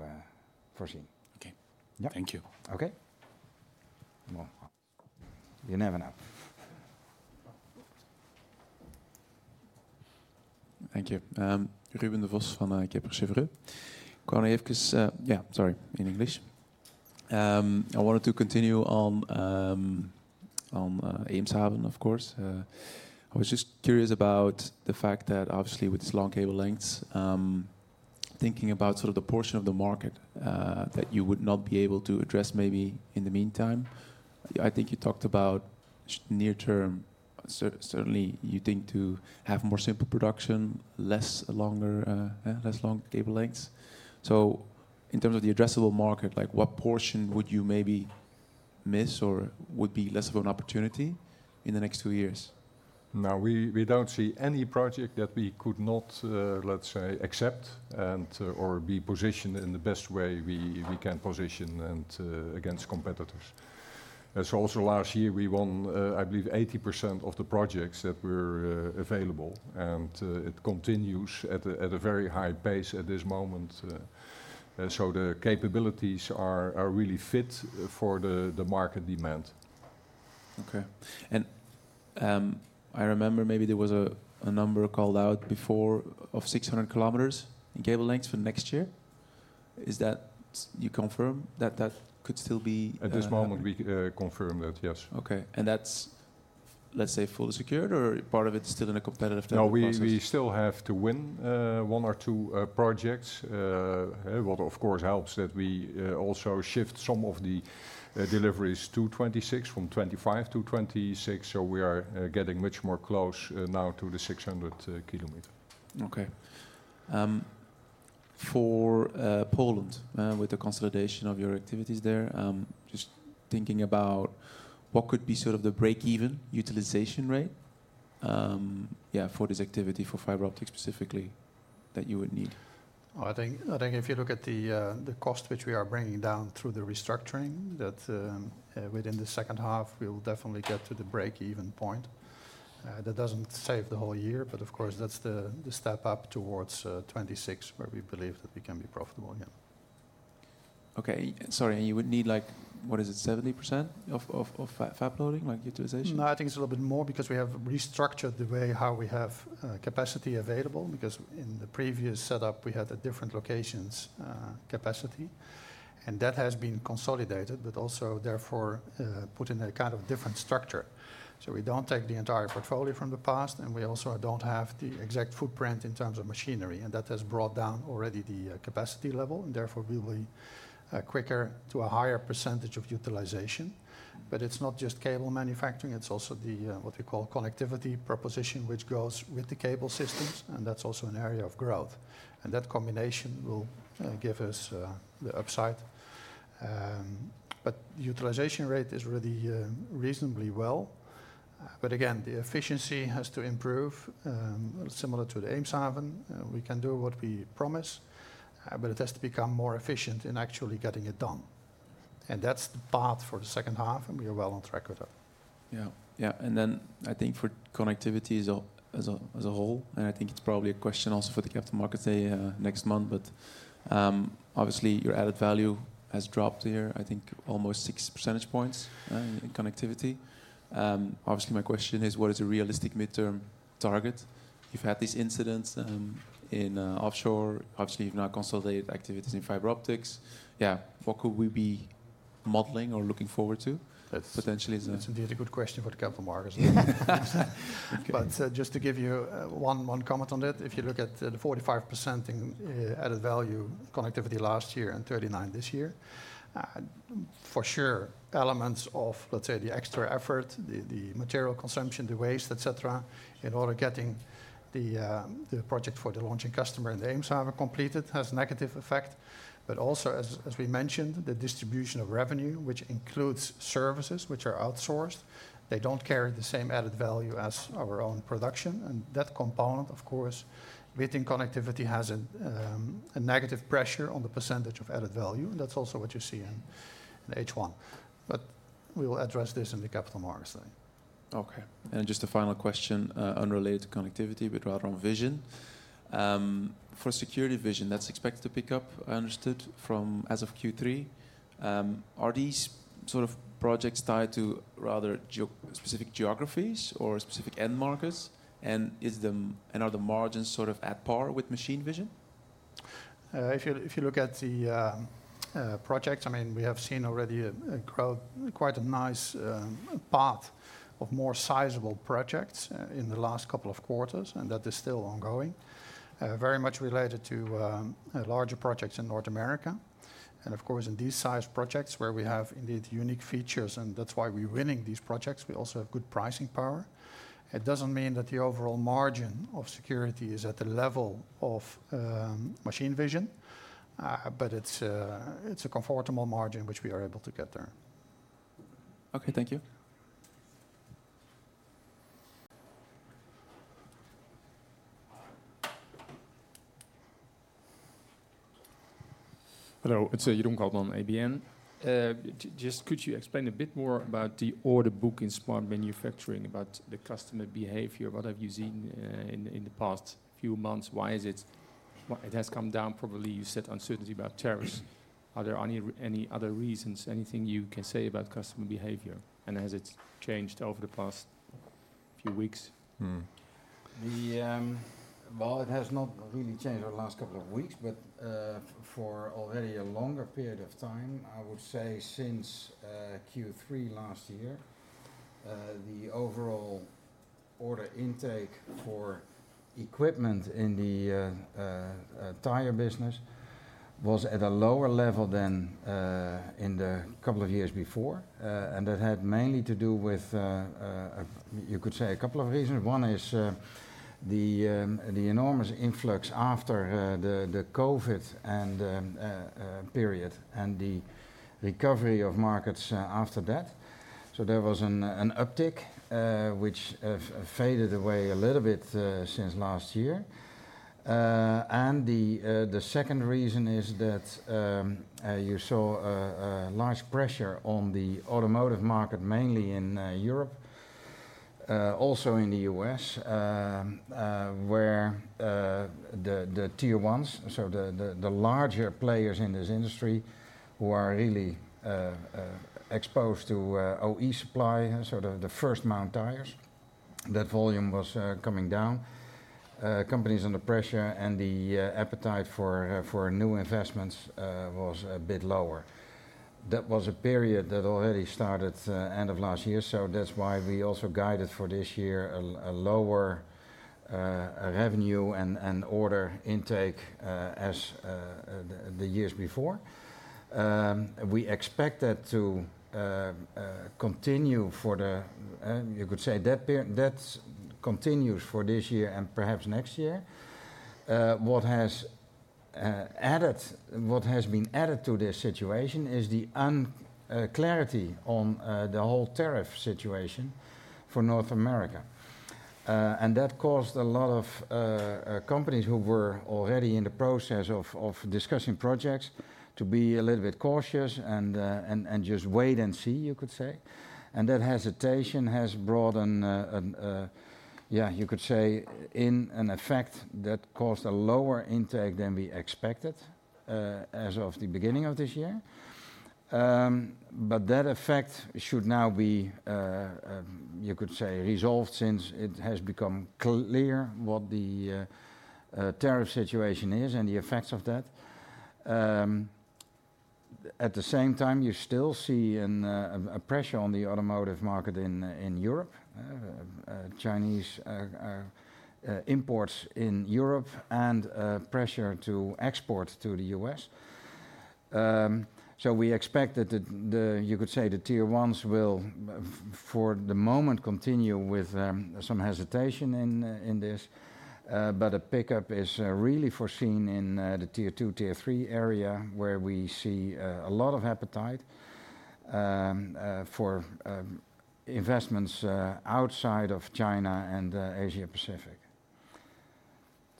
foreseen. OK. Yeah. Thank you. OK. You never know. Thank you. I wanted to continue on Eemshaven, of course. I was just curious about the fact that obviously with this long cable length, thinking about sort of the portion of the market that you would not be able to address maybe in the meantime, I think you talked about near term, certainly, you think to have more simple production, less long cable lengths. In terms of the addressable market, like what portion would you maybe miss or would be less of an opportunity in the next two years? No, we don't see any project that we could not, let's say, accept and/or be positioned in the best way we can position against competitors. Last year, we won, I believe, 80% of the projects that were available. It continues at a very high pace at this moment. The capabilities are really fit for the market demand. OK. I remember maybe there was a number called out before of 600 km in cable lengths for next year. Is that, you confirm that that could still be? At this moment, we confirm that, yes. OK. That's, let's say, fully secured, or part of it's still in a competitive? No, we still have to win one or two projects. What, of course, helps is that we also shift some of the deliveries to 2026, from 2025 to 2026. We are getting much more close now to the 600 km. OK. For Poland, with the consolidation of your activities there, just thinking about what could be sort of the break-even utilization rate for this activity for fiber optics specifically that you would need. I think if you look at the cost which we are bringing down through the restructuring, within the second half, we will definitely get to the break-even point. That doesn't save the whole year, but of course, that's the step up towards 2026, where we believe that we can be profitable. Yeah. Sorry, you would need like, what is it, 70% of that loading utilization? No, I think it's a little bit more because we have restructured the way how we have capacity available. In the previous setup, we had a different locations capacity, and that has been consolidated, but also therefore put in a kind of different structure. We don't take the entire portfolio from the past, and we also don't have the exact footprint in terms of machinery. That has brought down already the capacity level, and therefore, we will be quicker to a higher % of utilization. It's not just cable manufacturing. It's also what we call connectivity proposition, which goes with the cable systems, and that's also an area of growth. That combination will give us the upside. The utilization rate is really reasonably well. The efficiency has to improve, similar to the Eemshaven. We can do what we promise, but it has to become more efficient in actually getting it done. That's the path for the second half, and we are well on track with that. I think for connectivity as a whole, it's probably a question also for the capital markets next month. Obviously, your added value has dropped here, I think, almost 6% in connectivity. My question is, what is a realistic midterm target? You've had these incidents in offshore. You've now consolidated activities in fiber optics. What could we be modeling or looking forward to potentially? That's a really good question for the capital markets. Just to give you one comment on that, if you look at the 45% in added value connectivity last year and 39% this year, for sure, elements of, let's say, the extra effort, the material consumption, the waste, et cetera, in order getting the project for the launching customer in the Eemshaven completed has a negative effect. Also, as we mentioned, the distribution of revenue, which includes services which are outsourced, they don't carry the same added value as our own production. That component, of course, within connectivity has a negative pressure on the percentage of added value. That's also what you see in H1. We will address this in the capital markets then. OK. Just a final question unrelated to connectivity, but rather on vision. For security vision, that's expected to pick up, I understood, from as of Q3. Are these sort of projects tied to rather specific geographies or specific end markets? Are the margins sort of at par with machine vision? If you look at the projects, we have seen already quite a nice path of more sizable projects in the last couple of quarters. That is still ongoing, very much related to larger projects in North America. In these size projects where we have indeed unique features, and that's why we're winning these projects, we also have good pricing power. It doesn't mean that the overall margin of security is at the level of machine vision, but it's a comfortable margin which we are able to get there. OK, thank you. Hello, it's [Jerome Caldman], ABN. Just could you explain a bit more about the order book in Smart Manufacturing, about the customer behavior? What have you seen in the past few months? Why has it come down? Probably you said uncertainty about tariffs. Are there any other reasons, anything you can say about customer behavior? Has it changed over the past few weeks? It has not really changed over the last couple of weeks. For already a longer period of time, I would say since Q3 last year, the overall order intake for equipment in the tire business was at a lower level than in the couple of years before. That had mainly to do with, you could say, a couple of reasons. One is the enormous influx after the COVID period and the recovery of markets after that. There was an uptick, which faded away a little bit since last year. The second reason is that you saw a large pressure on the automotive market, mainly in Europe, also in the U.S., where the tier-one customers, so the larger players in this industry who are really exposed to OE supply, so the first mount tires, that volume was coming down. Companies under pressure and the appetite for new investments was a bit lower. That was a period that already started end of last year. That's why we also guided for this year a lower revenue and order intake as the years before. We expect that to continue for the, you could say, that continues for this year and perhaps next year. What has been added to this situation is the unclarity on the whole tariff situation for North America. That caused a lot of companies who were already in the process of discussing projects to be a little bit cautious and just wait and see, you could say. That hesitation has brought an, yeah, you could say, in an effect that caused a lower intake than we expected as of the beginning of this year. That effect should now be, you could say, resolved since it has become clear what the tariff situation is and the effects of that. At the same time, you still see a pressure on the automotive market in Europe, Chinese imports in Europe, and pressure to export to the U.S. We expect that, you could say, the tier-one customers will, for the moment, continue with some hesitation in this. A pickup is really foreseen in the tier-two and tier-three clients area, where we see a lot of appetite for investments outside of China and Asia Pacific.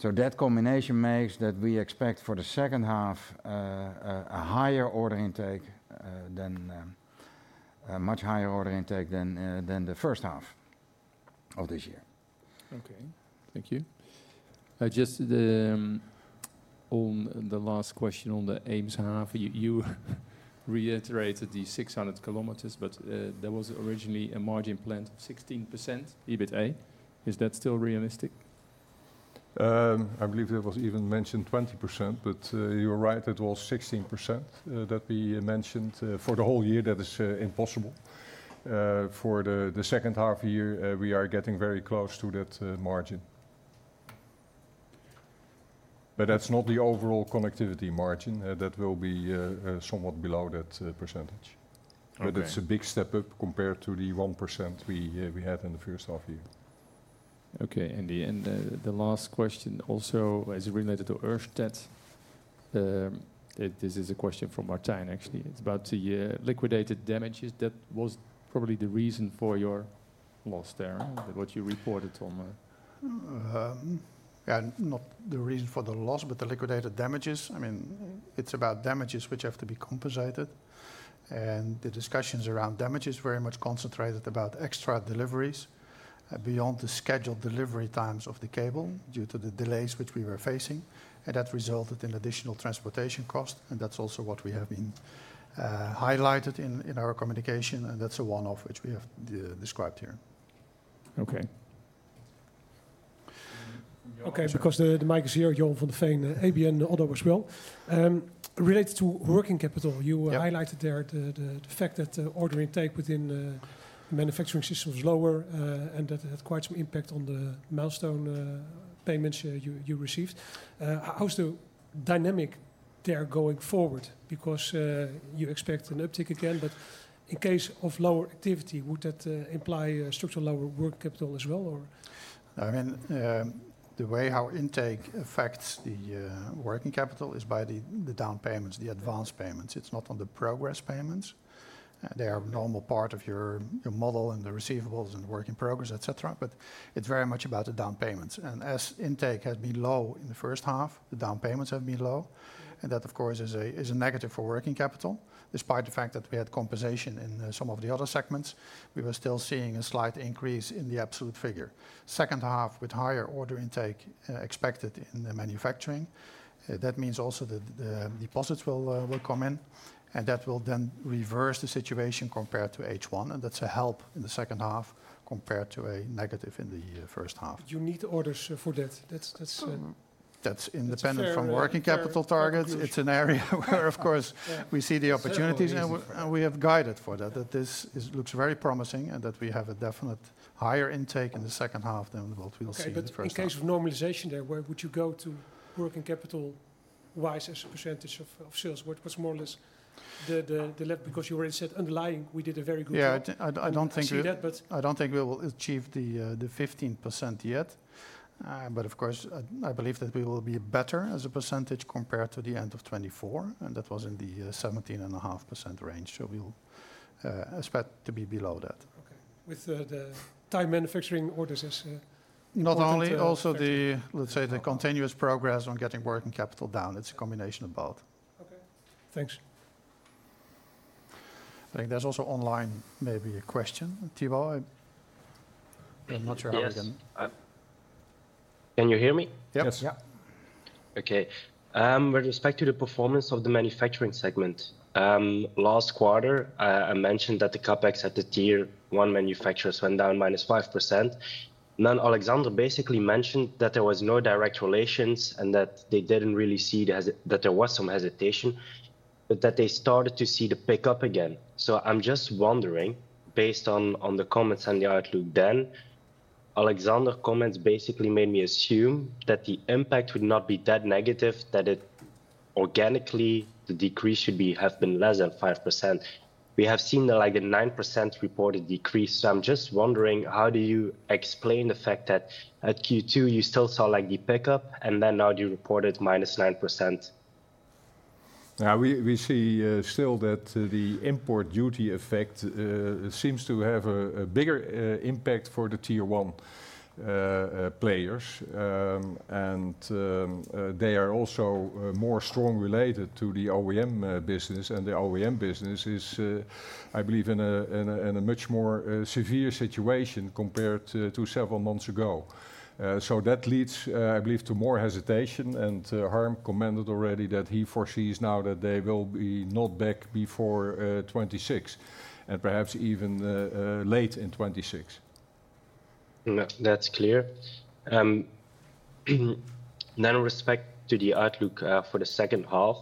That combination makes that we expect for the second half a higher order intake than, much higher order intake than the first half of this year. OK, thank you. Just on the last question on the Eemshaven, you reiterated the 600 km. There was originally a margin planned of 16% EBITDA. Is that still realistic? I believe there was even mentioned 20%. You're right, it was 16% that we mentioned. For the whole year, that is impossible. For the second half year, we are getting very close to that margin. That's not the overall connectivity margin. That will be somewhat below that percentage. It's a big step up compared to the 1% we had in the first half year. OK. The last question also is related to [EarthTED]. This is a question from Maarten, actually. It's about the liquidated damages. That was probably the reason for your loss there, what you reported on. Yeah, not the reason for the loss, but the liquidated damages. I mean, it's about damages which have to be compensated. The discussions around damages very much concentrated about extra deliveries beyond the scheduled delivery times of the cable due to the delays which we were facing. That resulted in additional transportation cost. That's also what we have been highlighted in our communication. That's the one-off which we have described here. OK. OK, because the mic is here, John van Veen, ABN AMRO, as well. Related to working capital, you highlighted there the fact that the order intake within the manufacturing system was lower. That had quite some impact on the milestone payments you received. How's the dynamic there going forward? You expect an uptick again. In case of lower activity, would that imply a structural lower working capital as well, or? No, I mean, the way our intake affects the working capital is by the down payments, the advanced payments. It's not on the progress payments. They are a normal part of your model and the receivables and work in progress, et cetera. It's very much about the down payments. As intake had been low in the first half, the down payments have been low. That, of course, is a negative for working capital. Despite the fact that we had compensation in some of the other segments, we were still seeing a slight increase in the absolute figure. The second half with higher order intake expected in the manufacturing means also that the deposits will come in. That will then reverse the situation compared to H1. That's a help in the second half compared to a negative in the first half. You need orders for that. That's independent from working capital targets. It's an area where, of course, we see the opportunities. We have guided for that. This looks very promising, and we have a definite higher intake in the second half than what we'll see in the first half. In case of normalization there, where would you go to working capital-wise as a percent of sales? What's more or less the left? Because you already said underlying, we did a very good job. I don't think we will achieve the 15% yet. Of course, I believe that we will be better as a percentage compared to the end of 2024, and that was in the 17.5% range. We'll expect to be below that. OK, with the time manufacturing orders as. Not only, also the continuous progress on getting working capital down. It's a combination of both. Thanks. I think there's also online maybe a question. Thibault, I'm not sure how you can. Can you hear me? Yeah. OK. With respect to the performance of the manufacturing segment, last quarter, I mentioned that the CapEx at the tier-one manufacturers went down minus 5%. Alexander basically mentioned that there was no direct relation and that they didn't really see that there was some hesitation, but that they started to see the pickup again. I'm just wondering, based on the comments and the outlook then, Alexander comments basically made me assume that the impact would not be that negative, that it organically, the decrease should have been less than 5%. We have seen like the 9% reported decrease. I'm just wondering, how do you explain the fact that at Q2, you still saw like the pickup? Now you reported -9%. Yeah, we see still that the import duty effect seems to have a bigger impact for the tier-one players. They are also more strongly related to the OEM business, and the OEM business is, I believe, in a much more severe situation compared to several months ago. That leads, I believe, to more hesitation, and Harm Voortman commented already that he foresees now that they will not be back before 2026, and perhaps even late in 2026. No, that's clear. Then with respect to the outlook for the second half,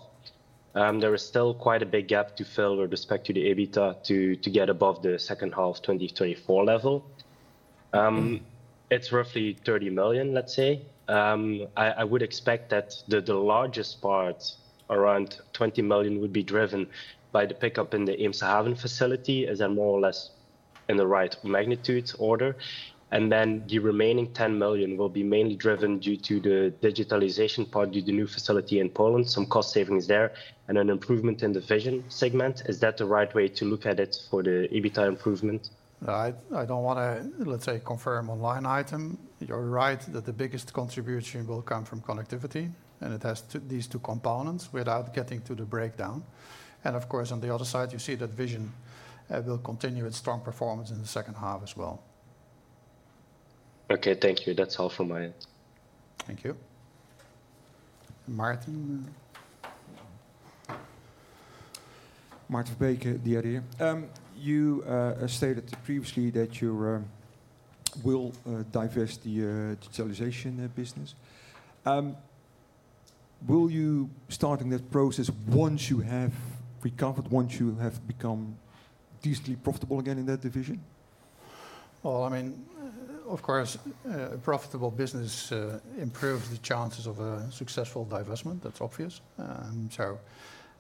there is still quite a big gap to fill with respect to the EBITDA to get above the second half 2024 level. It's roughly 30 million, let's say. I would expect that the largest part, around 20 million, would be driven by the pickup in the Eemshaven facility, as I'm more or less in the right magnitude order. The remaining 10 million will be mainly driven due to the digitalization part due to the new facility in Poland, some cost savings there, and an improvement in the vision segment. Is that the right way to look at it for the EBITDA improvement? I don't want to, let's say, confirm on line item. You're right that the biggest contribution will come from connectivity, and it has these two components without getting to the breakdown. Of course, on the other side, you see that vision will continue with strong performance in the second half as well. Okay, thank you. That's all from my end. Thank you, Maarten. You stated previously that you will divest the digitalization business. Will you start in that process once you have recovered, once you have become decently profitable again in that division? Of course, a profitable business improves the chances of a successful divestment. That's obvious.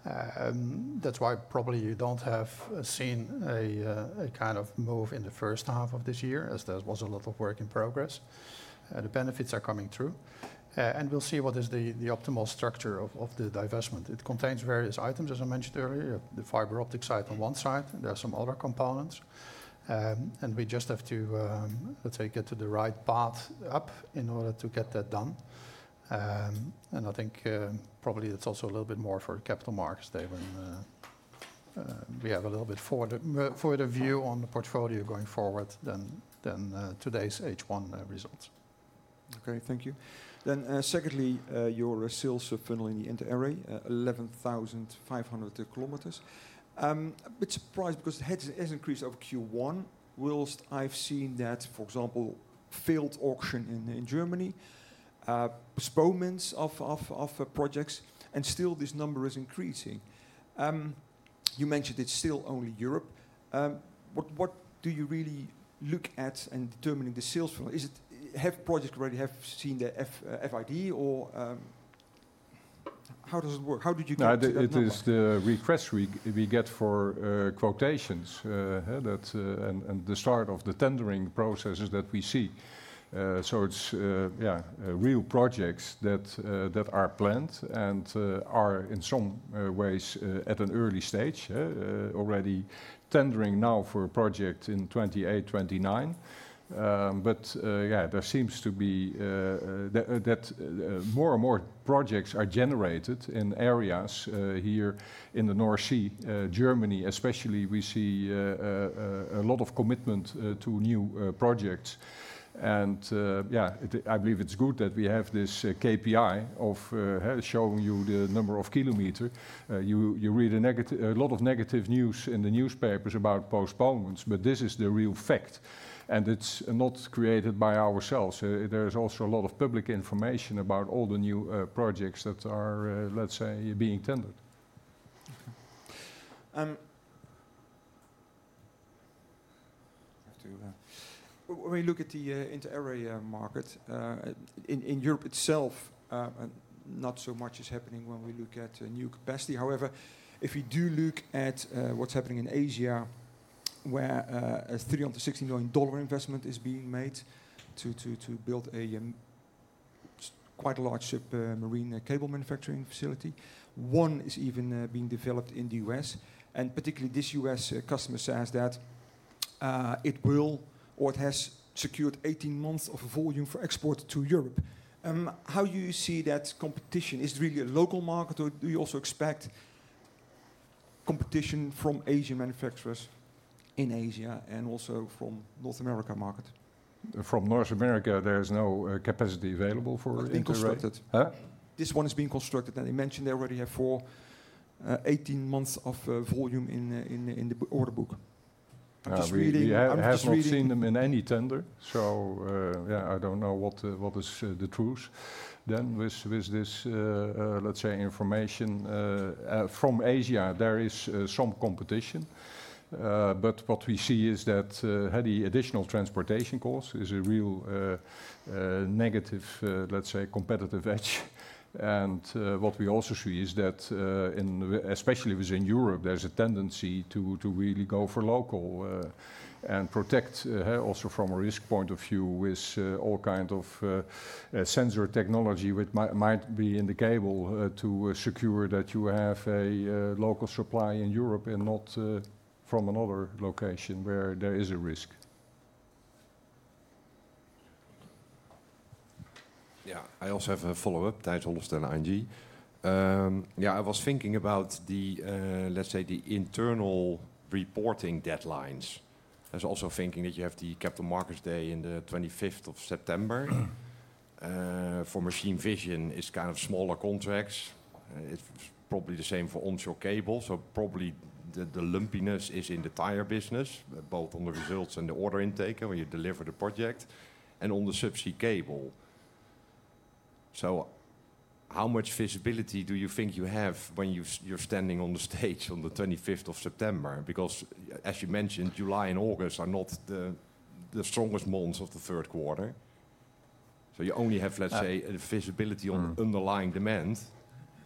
That's why probably you don't have seen a kind of move in the first half of this year, as there was a lot of work in progress. The benefits are coming through. We'll see what is the optimal structure of the divestment. It contains various items, as I mentioned earlier, the fiber optics site on one side, and there are some other components. We just have to, let's say, get to the right path up in order to get that done. I think probably it's also a little bit more for capital markets there, when we have a little bit further view on the portfolio going forward than today's H1 results. Okay, thank you. Secondly, your sales funneling in the inter-array, 11,500 km. I'm a bit surprised because it has increased over Q1, whilst I've seen that, for example, field auction in Germany, postponements of projects, and still this number is increasing. You mentioned it's still only Europe. What do you really look at in determining the sales funnel? Have projects already seen the FID or how does it work? How did you get to that? It is the request we get for quotations and the start of the tendering processes that we see. It's real projects that are planned and are, in some ways, at an early stage, already tendering now for a project in 2028, 2029. There seems to be that more and more projects are generated in areas here in the North Sea, Germany especially. We see a lot of commitment to new projects. I believe it's good that we have this KPI of showing you the number of kilometers. You read a lot of negative news in the newspapers about postponements, but this is the real fact. It's not created by ourselves. There's also a lot of public information about all the new projects that are, let's say, being tendered. Okay. When you look at the inter-array market in Europe itself, not so much is happening when we look at new capacity. However, if we do look at what's happening in Asia, where a $360 million investment is being made to build a quite large submarine cable manufacturing facility, one is even being developed in the U.S. Particularly, this U.S. customer says that it will, or it has secured 18 months of volume for export to Europe. How do you see that competition? Is it really a local market, or do you also expect competition from Asian manufacturers in Asia and also from the North America market? From North America, there is no capacity available for constructed. This one is being constructed. You mentioned they already have 18 months of volume in the order book. I haven't seen them in any tender. I don't know what is the truth. With this information from Asia, there is some competition. What we see is that the additional transportation cost is a real negative, competitive edge. What we also see is that, especially within Europe, there's a tendency to really go for local and protect also from a risk point of view with all kinds of sensor technology that might be in the cable to secure that you have a local supply in Europe and not from another location where there is a risk. Yeah, I also have a follow-up. Tijs Hollestelle, ING. I was thinking about the, let's say, the internal reporting deadlines. I was also thinking that you have the Capital Markets Day on the 25th of September. For machine vision, it's kind of smaller contracts. It's probably the same for onshore cable. Probably the lumpiness is in the tire business, both on the results and the order intake when you deliver the project and on the subsea cable. How much visibility do you think you have when you're standing on the stage on the 25th of September? Because, as you mentioned, July and August are not the strongest months of the third quarter. You only have, let's say, visibility on the underlying demand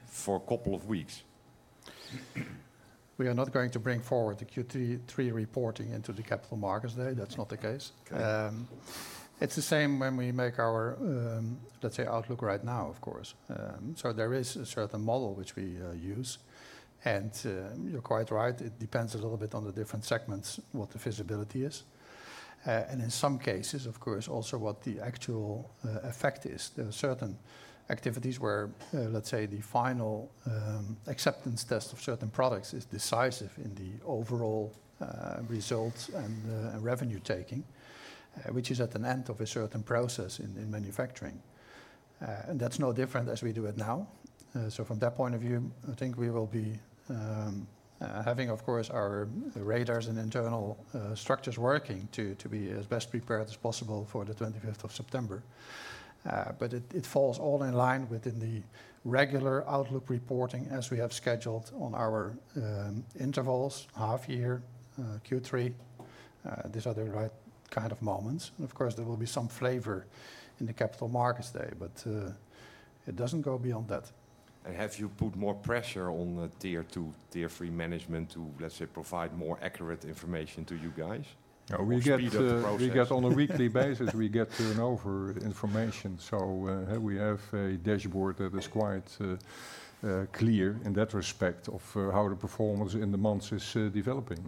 for a couple of weeks. We are not going to bring forward the Q3 reporting into the Capital Markets Day. That's not the case. It's the same when we make our, let's say, outlook right now, of course. There is a certain model which we use. You're quite right. It depends a little bit on the different segments what the visibility is. In some cases, of course, also what the actual effect is. There are certain activities where, let's say, the final acceptance test of certain products is decisive in the overall results and revenue taking, which is at the end of a certain process in manufacturing. That's no different as we do it now. From that point of view, I think we will be having, of course, our radars and internal structures working to be as best prepared as possible for the 25th of September. It falls all in line within the regular outlook reporting as we have scheduled on our intervals, half year, Q3. These are the right kind of moments. Of course, there will be some flavor in the Capital Markets Day, but it doesn't go beyond that. Have you put more pressure on tier-two, tier-three management to, let's say, provide more accurate information to you guys? We get on a weekly basis, we get turnover information. We have a dashboard that is quite clear in that respect of how the performance in the months is developing.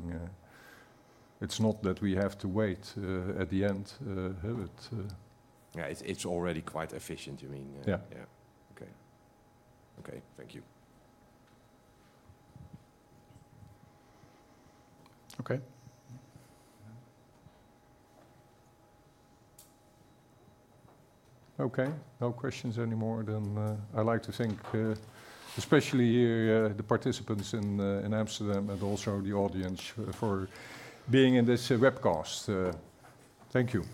It's not that we have to wait at the end. Yeah, it's already quite efficient. I mean, yeah. Okay. Thank you. Okay. No questions anymore then. I'd like to thank, especially here, the participants in Amsterdam and also the audience for being in this webcast. Thank you.